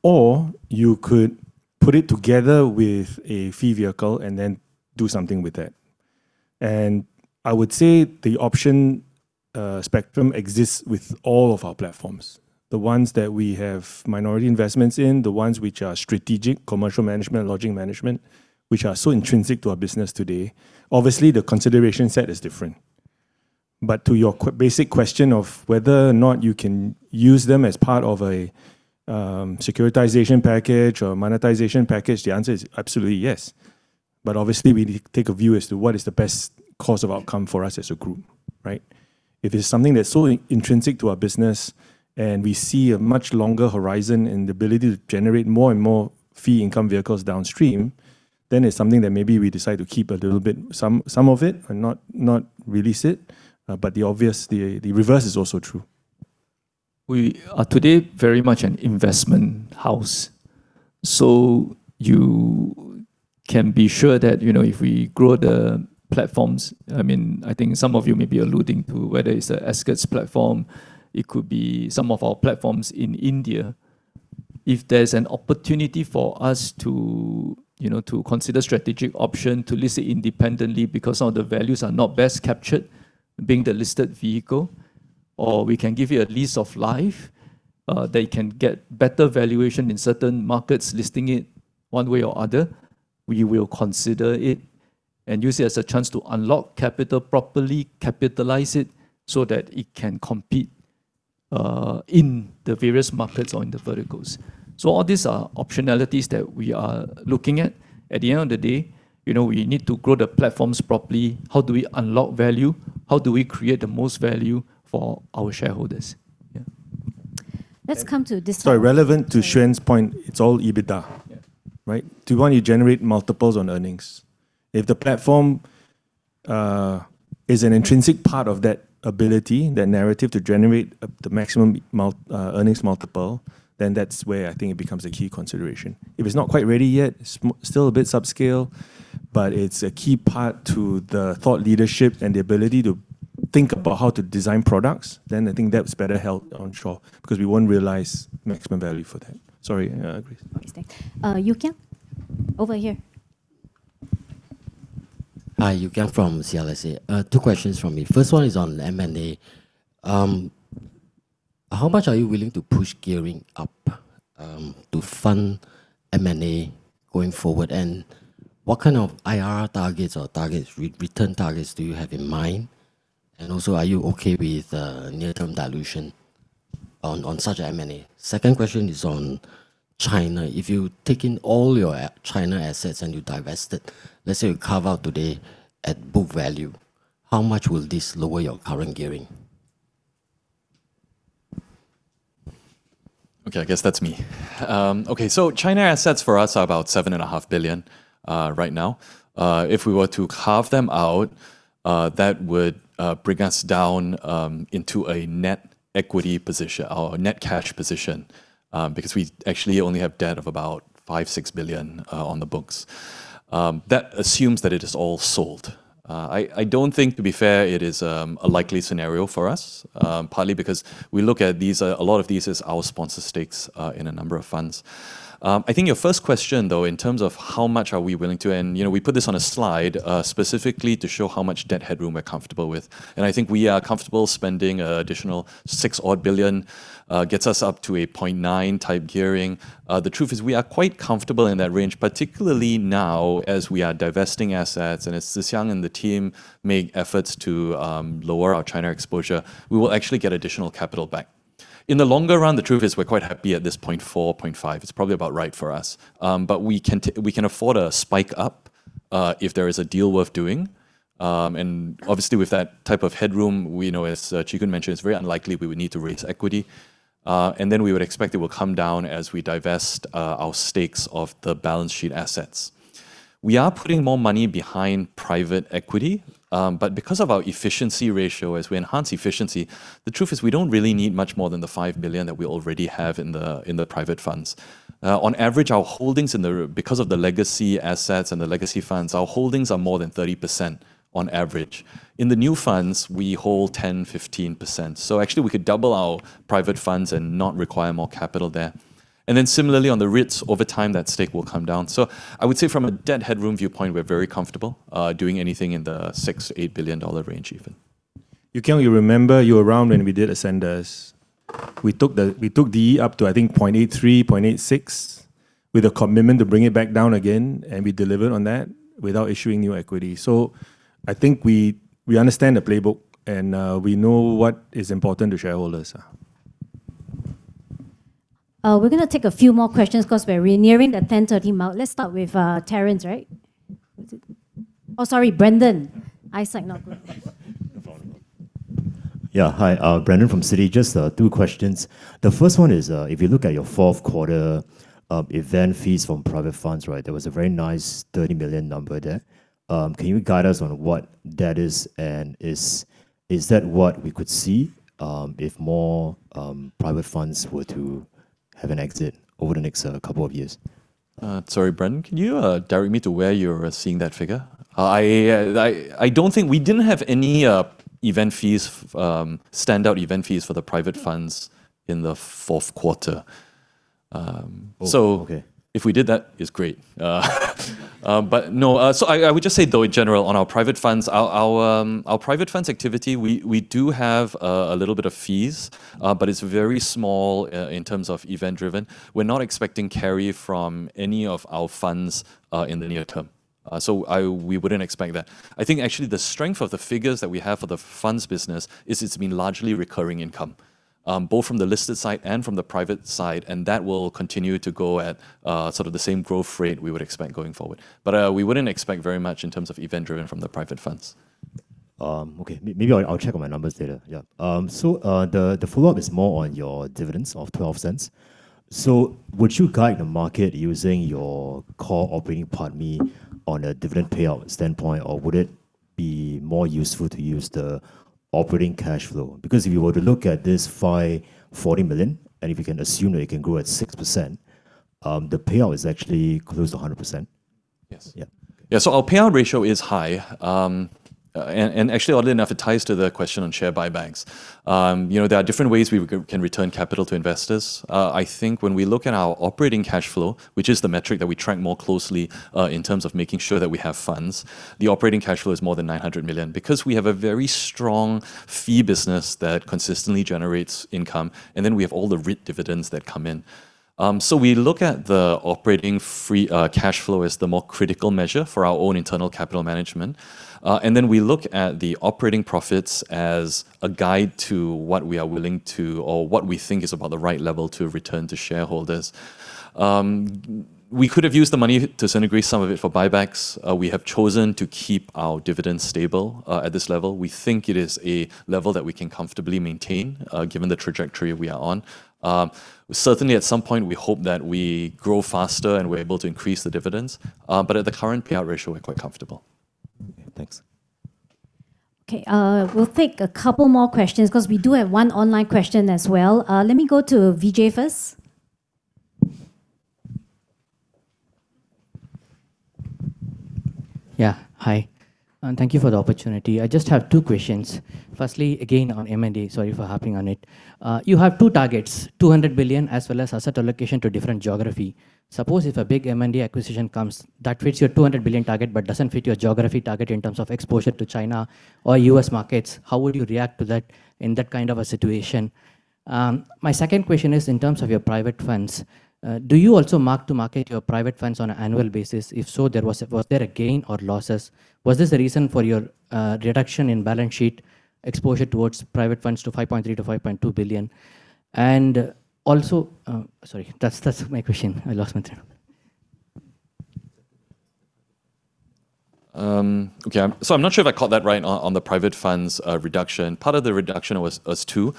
or you could put it together with a fee vehicle and then do something with that. And I would say the option spectrum exists with all of our platforms, the ones that we have minority investments in, the ones which are strategic, commercial management, logistics management, which are so intrinsic to our business today. Obviously, the consideration set is different. But to your basic question of whether or not you can use them as part of a securitization package or monetization package, the answer is absolutely yes. But obviously, we need to take a view as to what is the best cost of outcome for us as a group. Right. If it's something that's so intrinsic to our business and we see a much longer horizon in the ability to generate more and more fee income vehicles downstream, then it's something that maybe we decide to keep a little bit, some of it, and not release it. But the obvious, the reverse is also true. We are today very much an investment house. So you can be sure that if we grow the platforms, I mean, I think some of you may be alluding to whether it's the Ascott platform, it could be some of our platforms in India. If there's an opportunity for us to consider strategic option, to list it independently because some of the values are not best captured being the listed vehicle, or we can give it a lease of life that it can get better valuation in certain markets, listing it one way or other, we will consider it and use it as a chance to unlock capital, properly capitalize it so that it can compete in the various markets or in the verticals. So all these are optionalities that we are looking at. At the end of the day, we need to grow the platforms properly. How do we unlock value? How do we create the most value for our shareholders? Yeah. Let's come to this. Sorry, relevant to Shuen's point, it's all EBITDA. Right. Do you want to generate multiples on earnings? If the platform is an intrinsic part of that ability, that narrative to generate the maximum earnings multiple, then that's where I think it becomes a key consideration. If it's not quite ready yet, it's still a bit subscale, but it's a key part to the thought leadership and the ability to think about how to design products, then I think that's better held onshore because we won't realize maximum value for that. Sorry, Grace. Okay, stay. Yew Kiang over here. Hi, Yew Kiang from CLSA. Two questions from me. First one is on M&A. How much are you willing to push gearing up to fund M&A going forward? And what kind of IRR targets or return targets do you have in mind? And also, are you okay with near-term dilution on such an M&A? Second question is on China. If you take in all your China assets and you divested, let's say you carve out today at book value, how much will this lower your current gearing? Okay, I guess that's me. Okay, so China assets for us are about $7.5 billion right now. If we were to carve them out, that would bring us down into a net equity position, our net cash position, because we actually only have debt of about $5-$6 billion on the books. That assumes that it is all sold. I don't think, to be fair, it is a likely scenario for us, partly because we look at a lot of these as our sponsor stakes in a number of funds. I think your first question, though, in terms of how much are we willing to, and we put this on a slide specifically to show how much debt headroom we're comfortable with, and I think we are comfortable spending an additional $6.0 billion, gets us up to a 0.9% type gearing. The truth is we are quite comfortable in that range, particularly now as we are divesting assets. As Tze Shyang and the team make efforts to lower our China exposure, we will actually get additional capital back. In the longer run, the truth is we're quite happy at this 0.4%-0.5%. It's probably about right for us. But we can afford a spike up if there is a deal worth doing. And obviously, with that type of headroom, as Chee Koon mentioned, it's very unlikely we would need to raise equity. And then we would expect it will come down as we divest our stakes of the balance sheet assets. We are putting more money behind private equity. But because of our efficiency ratio, as we enhance efficiency, the truth is we don't really need much more than the 5 billion that we already have in the private funds. On average, our holdings in the, because of the legacy assets and the legacy funds, our holdings are more than 30% on average. In the new funds, we hold 10%, 15%. So actually, we could double our private funds and not require more capital there. And then similarly, on the REITs, over time that stake will come down. So I would say from a debt headroom viewpoint, we're very comfortable doing anything in the $6 billion-$8 billion range even. Yu Kian, you remember you were around when we did Ascendas. We took DE up to, I think, 0.83%, 0.86% with a commitment to bring it back down again, and we delivered on that without issuing new equity. So I think we understand the playbook and we know what is important to shareholders. We're going to take a few more questions because we're nearing the 10:30 mark. Let's start with Terence, right? Oh, sorry, Brandon. Eyesight not good. Yeah, hi, Brandon from Citi. Just two questions. The first one is if you look at your fourth quarter event fees from private funds, right, there was a very nice $30 million number there. Can you guide us on what that is, and is that what we could see if more private funds were to have an exit over the next couple of years? Sorry, Brandon, can you direct me to where you're seeing that figure? I don't think we didn't have any event fees, standout event fees for the private funds in the fourth quarter. So if we did that, it's great. But no, so I would just say, though, in general, on our private funds, our private funds activity, we do have a little bit of fees, but it's very small in terms of event-driven. We're not expecting carry from any of our funds in the near term, so we wouldn't expect that. I think actually the strength of the figures that we have for the funds business is it's been largely recurring income, both from the listed side and from the private side, and that will continue to go at sort of the same growth rate we would expect going forward. But we wouldn't expect very much in terms of event-driven from the private funds. Okay, maybe I'll check on my numbers later. Yeah. So the follow-up is more on your dividends of 0.12. So would you guide the market using your core operating earnings on a dividend payout standpoint, or would it be more useful to use the operating cash flow? Because if you were to look at this 540 million, and if you can assume that it can grow at 6%, the payout is actually close to 100%. Yes. Yeah. So our payout ratio is high. And actually, oddly enough, it ties to the question on share buybacks. There are different ways we can return capital to investors. I think when we look at our operating cash flow, which is the metric that we track more closely in terms of making sure that we have funds, the operating cash flow is more than 900 million because we have a very strong fee business that consistently generates income, and then we have all the REIT dividends that come in. So we look at the operating cash flow as the more critical measure for our own internal capital management, and then we look at the operating profits as a guide to what we are willing to or what we think is about the right level to return to shareholders. We could have used the money, to some degree, some of it for buybacks. We have chosen to keep our dividends stable at this level. We think it is a level that we can comfortably maintain given the trajectory we are on. Certainly, at some point, we hope that we grow faster and we're able to increase the dividends. But at the current payout ratio, we're quite comfortable. Okay, thanks. Okay, we'll take a couple more questions because we do have one online question as well. Let me go to Vijay first. Yeah, hi. Thank you for the opportunity. I just have two questions. Firstly, again on M&A, sorry for harping on it. You have two targets, 200 billion as well as asset allocation to different geography. Suppose if a big M&A acquisition comes, that fits your 200 billion target but doesn't fit your geography target in terms of exposure to China or US markets, how would you react to that in that kind of a situation? My second question is in terms of your private funds. Do you also mark to market your private funds on an annual basis? If so, was there a gain or losses? Was this a reason for your reduction in balance sheet exposure towards private funds to 5.3 billion-5.2 billion? And also—sorry, that's my question. I lost my thread. Okay, so I'm not sure if I caught that right on the private funds reduction. Part of the reduction was two.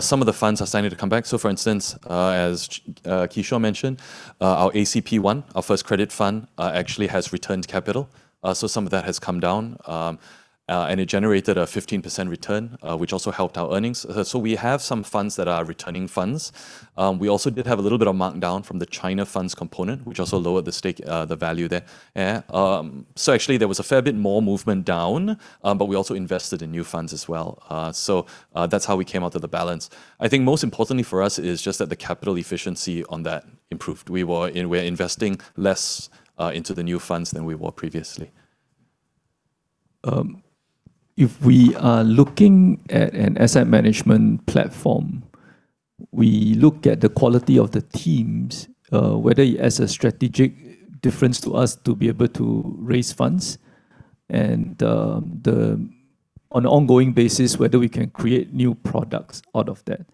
Some of the funds are starting to come back. So for instance, as Kishore mentioned, our ACP1, our first credit fund, actually has returned capital. So some of that has come down, and it generated a 15% return, which also helped our earnings. So we have some funds that are returning funds. We also did have a little bit of markdown from the China funds component, which also lowered the value there. So actually, there was a fair bit more movement down, but we also invested in new funds as well. So that's how we came out of the balance. I think most importantly for us is just that the capital efficiency on that improved. We're investing less into the new funds than we were previously. If we are looking at an asset management platform, we look at the quality of the teams, whether it has a strategic difference to us to be able to raise funds and on an ongoing basis, whether we can create new products out of that.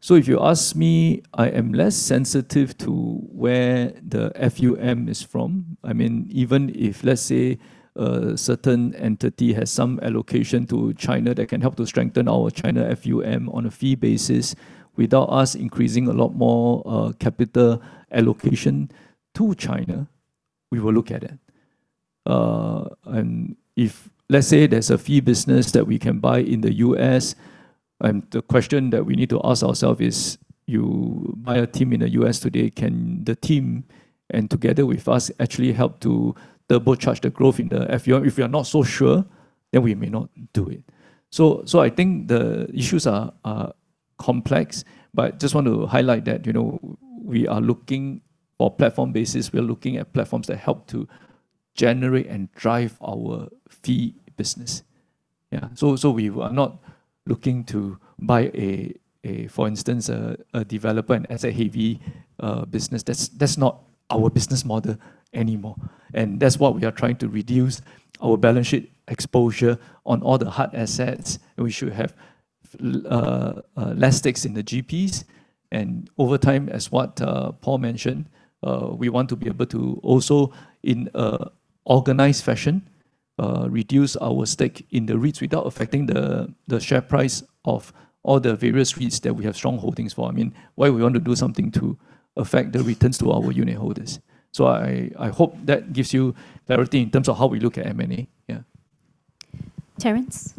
So if you ask me, I am less sensitive to where the FUM is from. I mean, even if, let's say, a certain entity has some allocation to China that can help to strengthen our China FUM on a fee basis without us increasing a lot more capital allocation to China, we will look at it. And if, let's say, there's a fee business that we can buy in the US, the question that we need to ask ourselves is, you buy a team in the US today, can the team and together with us actually help to double-charge the growth in the FUM? If we are not so sure, then we may not do it. So I think the issues are complex, but I just want to highlight that we are looking for platform basis. We are looking at platforms that help to generate and drive our fee business. Yeah, so we are not looking to buy a, for instance, a developer and asset-heavy business. That's not our business model anymore. And that's what we are trying to reduce: our balance sheet exposure on all the hard assets. We should have less stakes in the GPs. And over time, as what Paul mentioned, we want to be able to also, in an organized fashion, reduce our stake in the REITs without affecting the share price of all the various REITs that we have strong holdings for. I mean, why we want to do something to affect the returns to our unit holders. I hope that gives you clarity in terms of how we look at M&A. Yeah. Terrence?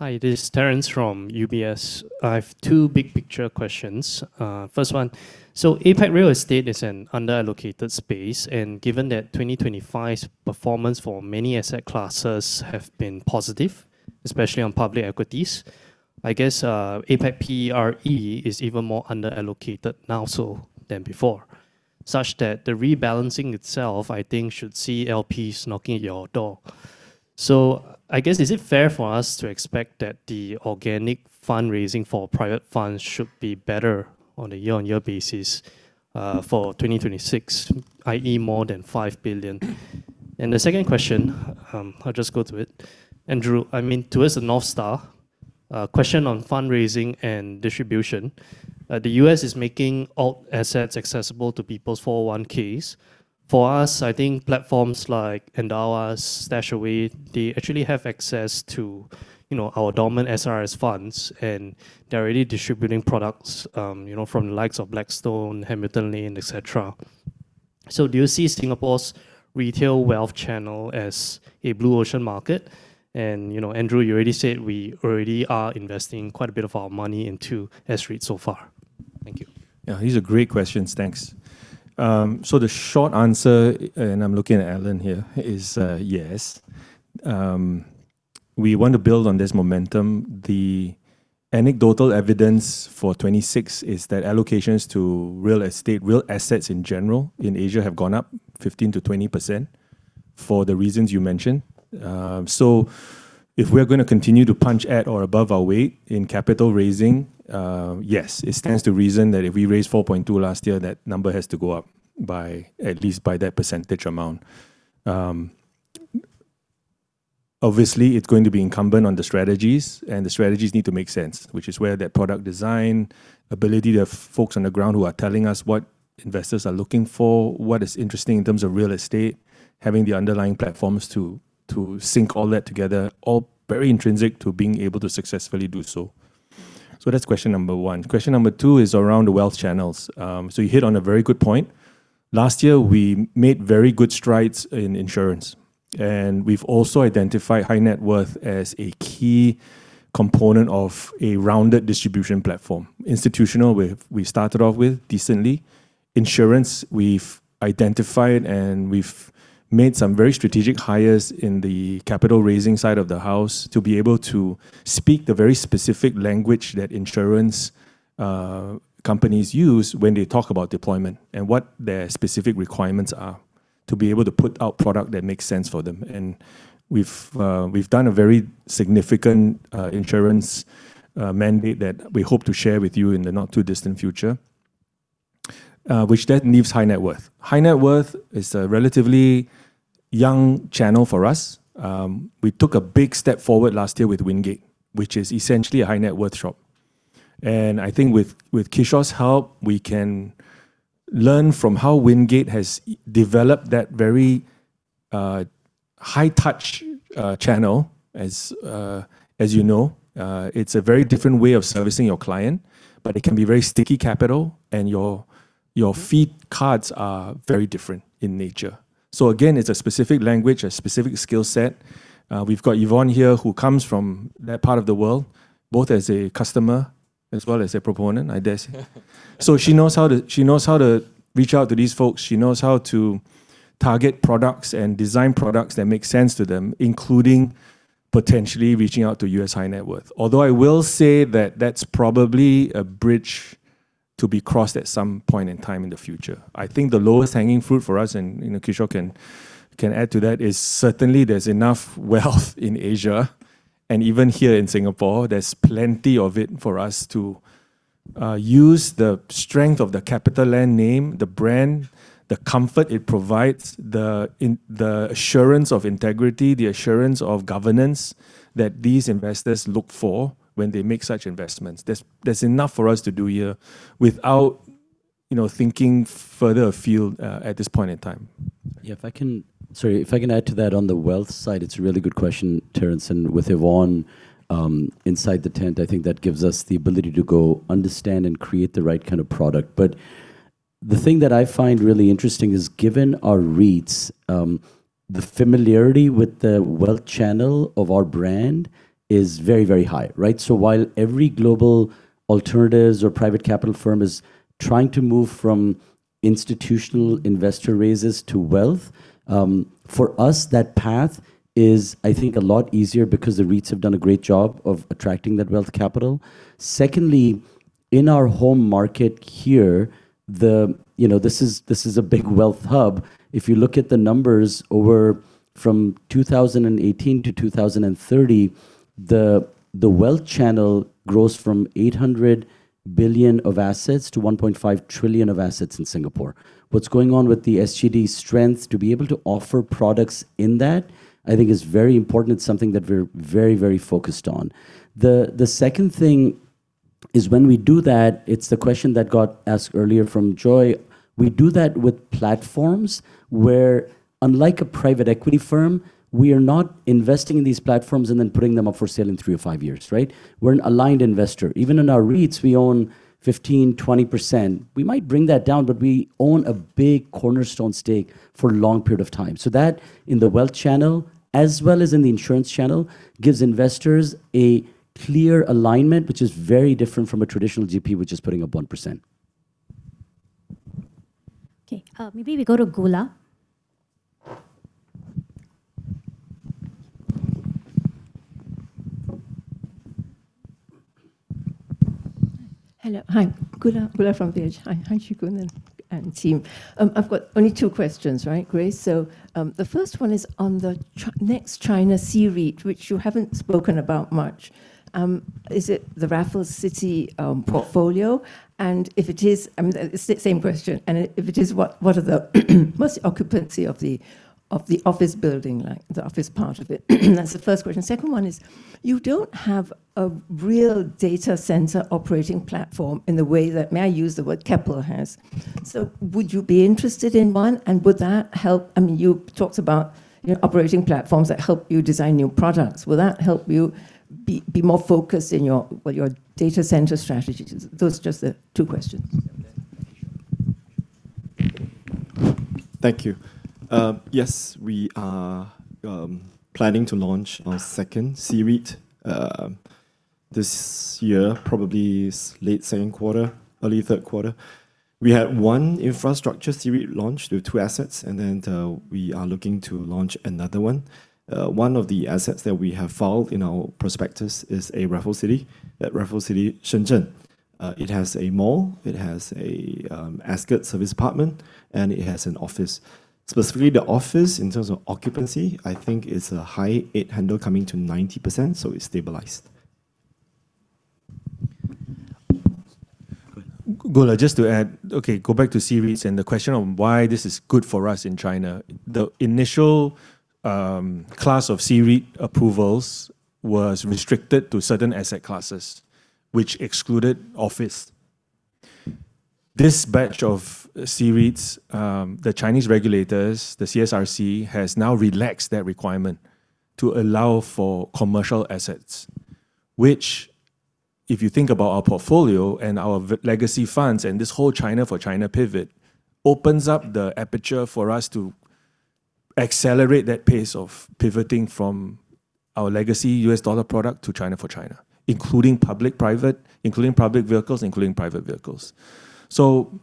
Hi, this is Terrence from UBS. I have two big picture questions. First one, so APAC Real Estate is an under-allocated space. And given that 2025's performance for many asset classes has been positive, especially on public equities, I guess APAC PRE is even more under-allocated now so than before, such that the rebalancing itself, I think, should see LPs knocking at your door. So I guess, is it fair for us to expect that the organic fundraising for private funds should be better on a year-on-year basis for 2026, i.e., more than $5 billion? And the second question, I'll just go to it. Andrew, I mean, to us, a North Star. Question on fundraising and distribution. The US is making alt assets accessible to people's 401(k)s. For us, I think platforms like Endowus, StashAway, they actually have access to our dormant SRS funds, and they're already distributing products from the likes of Blackstone, Hamilton Lane, etc. So do you see Singapore's retail wealth channel as a blue ocean market? And Andrew, you already said we already are investing quite a bit of our money into SREITs so far. Thank you. Yeah, these are great questions. Thanks. So the short answer, and I'm looking at Alan here, is yes. We want to build on this momentum. The anecdotal evidence for 2026 is that allocations to real estate, real assets in general in Asia, have gone up 15%-20% for the reasons you mentioned. So if we are going to continue to punch at or above our weight in capital raising, yes, it stands to reason that if we raised $4.2 billion last year, that number has to go up, at least by that percentage amount. Obviously, it's going to be incumbent on the strategies, and the strategies need to make sense, which is where that product design, ability to have folks on the ground who are telling us what investors are looking for, what is interesting in terms of real estate, having the underlying platforms to sync all that together, all very intrinsic to being able to successfully do so. So that's question number one. Question number two is around the wealth channels. So you hit on a very good point. Last year, we made very good strides in insurance. And we've also identified high net worth as a key component of a rounded distribution platform, institutional, we started off with, decently. Insurance, we've identified and we've made some very strategic hires in the capital raising side of the house to be able to speak the very specific language that insurance companies use when they talk about deployment and what their specific requirements are to be able to put out product that makes sense for them. We've done a very significant insurance mandate that we hope to share with you in the not too distant future, which then leaves high net worth. High net worth is a relatively young channel for us. We took a big step forward last year with Wingate, which is essentially a high net worth shop. I think with Kishore's help, we can learn from how Wingate has developed that very high-touch channel. As you know, it's a very different way of servicing your client, but it can be very sticky capital, and your fee cards are very different in nature. So again, it's a specific language, a specific skill set. We've got Yvonne here who comes from that part of the world, both as a customer as well as a proponent, I guess. So she knows how to reach out to these folks. She knows how to target products and design products that make sense to them, including potentially reaching out to US high net worth. Although I will say that that's probably a bridge to be crossed at some point in time in the future. I think the lowest hanging fruit for us, and Kishore can add to that, is certainly there's enough wealth in Asia, and even here in Singapore, there's plenty of it for us to use the strength of the CapitaLand name, the brand, the comfort it provides, the assurance of integrity, the assurance of governance that these investors look for when they make such investments. There's enough for us to do here without thinking further afield at this point in time. Yeah, if I can sorry, if I can add to that on the wealth side, it's a really good question, Terrence. And with Yvonne inside the tent, I think that gives us the ability to go understand and create the right kind of product. But the thing that I find really interesting is, given our REITs, the familiarity with the wealth channel of our brand is very, very high, right? So while every global alternative or private capital firm is trying to move from institutional investor raises to wealth, for us, that path is, I think, a lot easier because the REITs have done a great job of attracting that wealth capital. Secondly, in our home market here, this is a big wealth hub. If you look at the numbers from 2018 to 2030, the wealth channel grows from $800 billion of assets to $1.5 trillion of assets in Singapore. What's going on with the SGD strength to be able to offer products in that, I think, is very important. It's something that we're very, very focused on. The second thing is, when we do that, it's the question that got asked earlier from Joy. We do that with platforms where, unlike a private equity firm, we are not investing in these platforms and then putting them up for sale in three or five years, right? We're an aligned investor. Even in our REITs, we own 15%, 20%. We might bring that down, but we own a big cornerstone stake for a long period of time. So that, in the wealth channel as well as in the insurance channel, gives investors a clear alignment, which is very different from a traditional GP, which is putting up 1%. Okay, maybe we go to Goola. Hello. Hi. Goola from Vijay. Hi, Chee Koon and team. I've got only two questions, right, Grace? So the first one is on the next China C-REIT, which you haven't spoken about much. Is it the Raffles City portfolio? And if it is, I mean, same question. And if it is, what is the occupancy of the office building, the office part of it? That's the first question. Second one is, you don't have a real data center operating platform in the way that, may I use the word, Keppel has. So would you be interested in one, and would that help? I mean, you talked about operating platforms that help you design new products. Will that help you be more focused in your data center strategy? Those are just the two questions. Thank you, Sean. Thank you. Thank you. Yes, we are planning to launch our second C-REIT this year, probably late second quarter, early third quarter. We had one infrastructure C-REIT launched with two assets, and then we are looking to launch another one. One of the assets that we have filed in our prospectus is a Raffles City, at Raffles City Shenzhen. It has a mall, it has an Ascott serviced apartments, and it has an office. Specifically, the office, in terms of occupancy, I think it's a high 80s handle coming to 90%, so it's stabilized. Goola, just to add, okay, go back to C-REITs and the question of why this is good for us in China. The initial class of C-REIT approvals was restricted to certain asset classes, which excluded office. This batch of C-REITs, the Chinese regulators, the CSRC, has now relaxed that requirement to allow for commercial assets, which, if you think about our portfolio and our legacy funds and this whole China for China pivot, opens up the aperture for us to accelerate that pace of pivoting from our legacy US dollar product to China for China, including public-private, including public vehicles, including private vehicles. So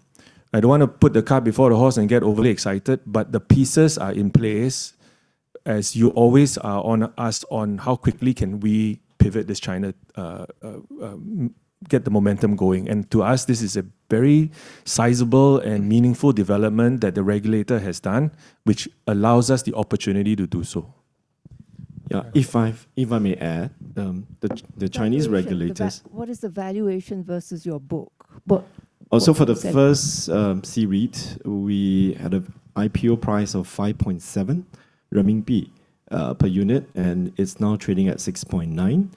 I don't want to put the cart before the horse and get overly excited, but the pieces are in place, as you always asked on how quickly can we pivot this China, get the momentum going. And to us, this is a very sizable and meaningful development that the regulator has done, which allows us the opportunity to do so. Yeah, if I may add, the Chinese regulators. What is the valuation versus your book? Also, for the first C-REIT, we had an IPO price of 5.7 renminbi per unit, and it's now trading at 6.9.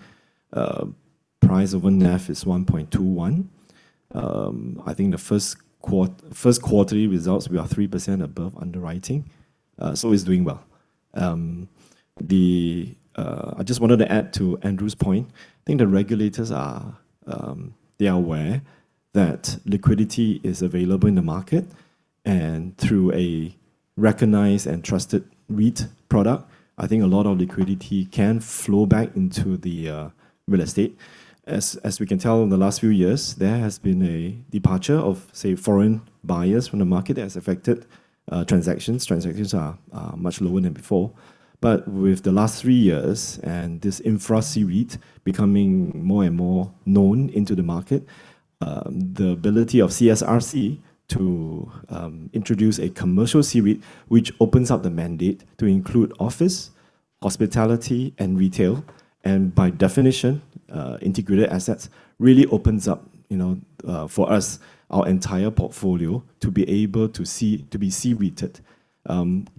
Price over NAV is 1.21. I think the first quarterly results, we are 3% above underwriting, so it's doing well. I just wanted to add to Andrew's point. I think the regulators, they are aware that liquidity is available in the market, and through a recognized and trusted REIT product, I think a lot of liquidity can flow back into the real estate. As we can tell in the last few years, there has been a departure of, say, foreign buyers from the market that has affected transactions. Transactions are much lower than before. But with the last three years and this infra C-REIT becoming more and more known into the market, the ability of CSRC to introduce a commercial C-REIT, which opens up the mandate to include office, hospitality, and retail, and by definition, integrated assets, really opens up for us our entire portfolio to be able to be C-REITed.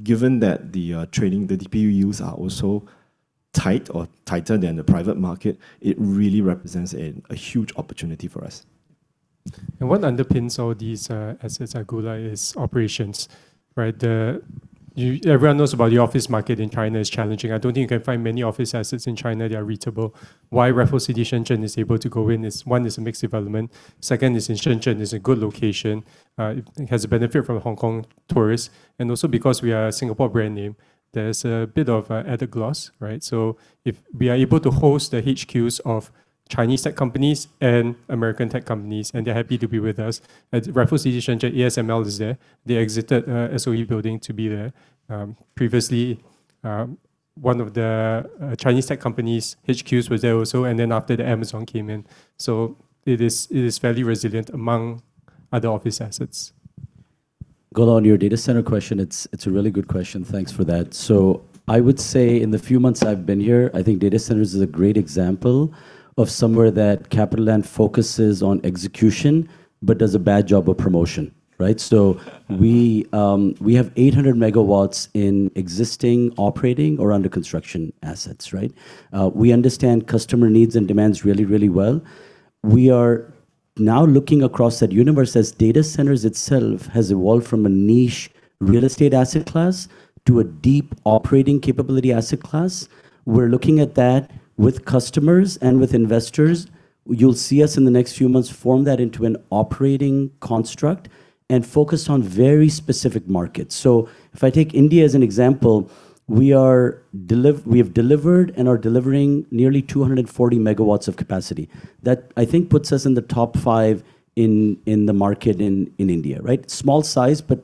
Given that the trading, the DPU yields are also tight or tighter than the private market, it really represents a huge opportunity for us. And what underpins all these assets at Gula is operations, right? Everyone knows about the office market in China is challenging. I don't think you can find many office assets in China that are REITable. Why Raffles City Shenzhen is able to go in is, one, it's a mixed development. Second, it's in Shenzhen, it's a good location, it has a benefit from Hong Kong tourists. And also because we are a Singapore brand name, there's a bit of added gloss, right? So if we are able to host the HQs of Chinese tech companies and American tech companies, and they're happy to be with us, at Raffles City Shenzhen, ASML is there. They exited SOE Building to be there. Previously, one of the Chinese tech companies' HQs was there also, and then after that, Amazon came in. So it is fairly resilient among other office assets. Gula, on your data center question, it's a really good question. Thanks for that. So I would say in the few months I've been here, I think data centers is a great example of somewhere that CapitaLand focuses on execution but does a bad job of promotion, right? So we have 800 MW in existing, operating, or under construction assets, right? We understand customer needs and demands really, really well. We are now looking across that universe as data centers itself has evolved from a niche real estate asset class to a deep operating capability asset class. We're looking at that with customers and with investors. You'll see us in the next few months form that into an operating construct and focus on very specific markets. So if I take India as an example, we have delivered and are delivering nearly 240 MW of capacity. That, I think, puts us in the top five in the market in India, right? Small size, but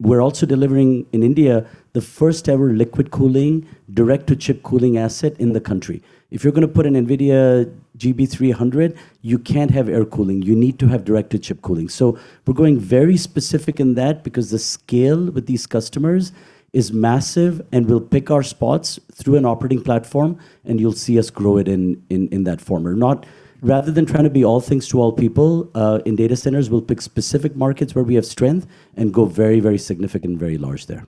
we're also delivering in India the first-ever liquid cooling, direct-to-chip cooling asset in the country. If you're going to put an NVIDIA GB300, you can't have air cooling. You need to have direct-to-chip cooling. So we're going very specific in that because the scale with these customers is massive and will pick our spots through an operating platform, and you'll see us grow it in that form. Rather than trying to be all things to all people, in data centers, we'll pick specific markets where we have strength and go very, very significant and very large there.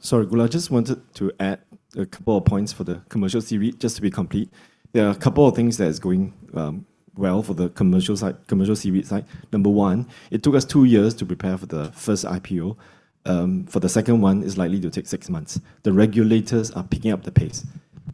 Sorry, Gula, I just wanted to add a couple of points for the commercial C-REIT just to be complete. There are a couple of things that are going well for the commercial C-REIT side. Number one, it took us two years to prepare for the first IPO. For the second one, it's likely to take six months. The regulators are picking up the pace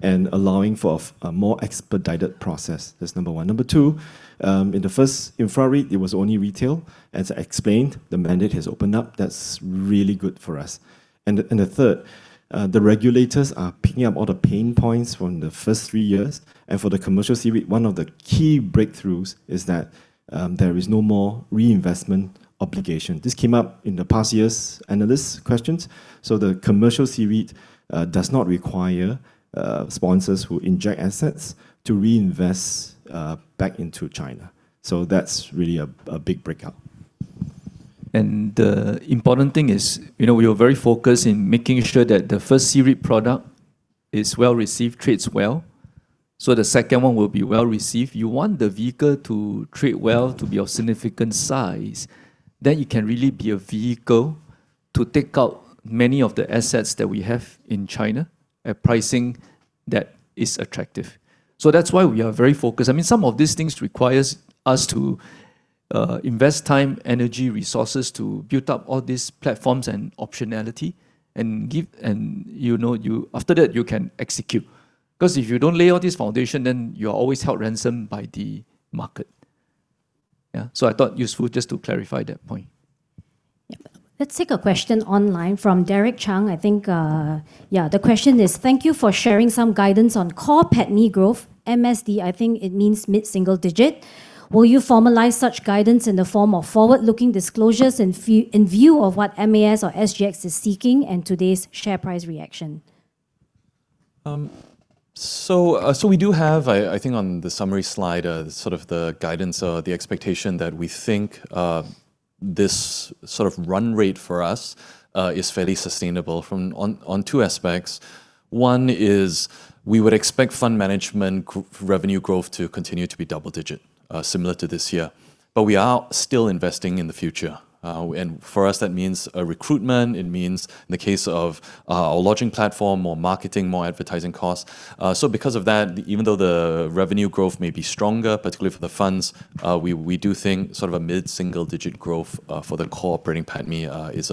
and allowing for a more expedited process. That's number one. Number two, in the first C-REIT, it was only retail. As I explained, the mandate has opened up. That's really good for us. And the third, the regulators are picking up all the pain points from the first three years. And for the commercial C-REIT, one of the key breakthroughs is that there is no more reinvestment obligation. This came up in the past year's analyst questions. So the commercial C-REIT does not require sponsors who inject assets to reinvest back into China. So that's really a big breakout. And the important thing is, we are very focused in making sure that the first C-REIT product is well received, trades well. So the second one will be well received. You want the vehicle to trade well, to be of significant size. Then you can really be a vehicle to take out many of the assets that we have in China at pricing that is attractive. So that's why we are very focused. I mean, some of these things require us to invest time, energy, resources to build up all these platforms and optionality, and after that, you can execute. Because if you don't lay all this foundation, then you are always held ransom by the market. Yeah, so I thought useful just to clarify that point. Yeah, let's take a question online from Derek Chang, I think. Yeah, the question is, "Thank you for sharing some guidance on core PATMI growth, MSD, I think it means mid-single digit. Will you formalize such guidance in the form of forward-looking disclosures in view of what MAS or SGX is seeking and today's share price reaction? So we do have, I think, on the summary slide, sort of the guidance or the expectation that we think this sort of run rate for us is fairly sustainable on two aspects. One is we would expect fund management revenue growth to continue to be double-digit, similar to this year. But we are still investing in the future. And for us, that means recruitment. It means, in the case of our lodging platform, more marketing, more advertising costs. So because of that, even though the revenue growth may be stronger, particularly for the funds, we do think sort of a mid-single-digit growth for the core operating PATMI is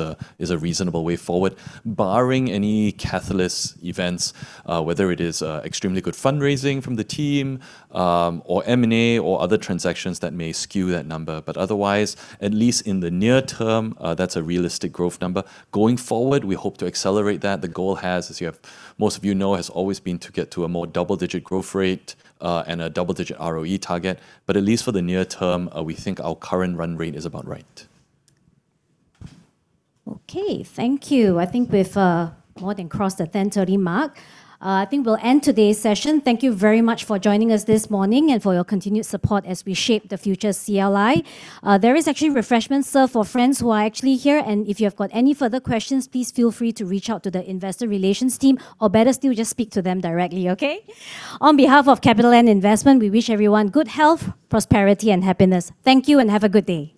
a reasonable way forward, barring any catalyst events, whether it is extremely good fundraising from the team or M&A or other transactions that may skew that number. But otherwise, at least in the near term, that's a realistic growth number. Going forward, we hope to accelerate that. The goal has, as most of you know, has always been to get to a more double-digit growth rate and a double-digit ROE target. But at least for the near term, we think our current run rate is about right. Okay, thank you. I think we've more than crossed the 10:30 A.M. mark. I think we'll end today's session. Thank you very much for joining us this morning and for your continued support as we shape the future of CLI. There are actually refreshments served for friends who are actually here, and if you have got any further questions, please feel free to reach out to the investor relations team, or better still, just speak to them directly, okay? On behalf of CapitaLand Investment, we wish everyone good health, prosperity, and happiness. Thank you and have a good day.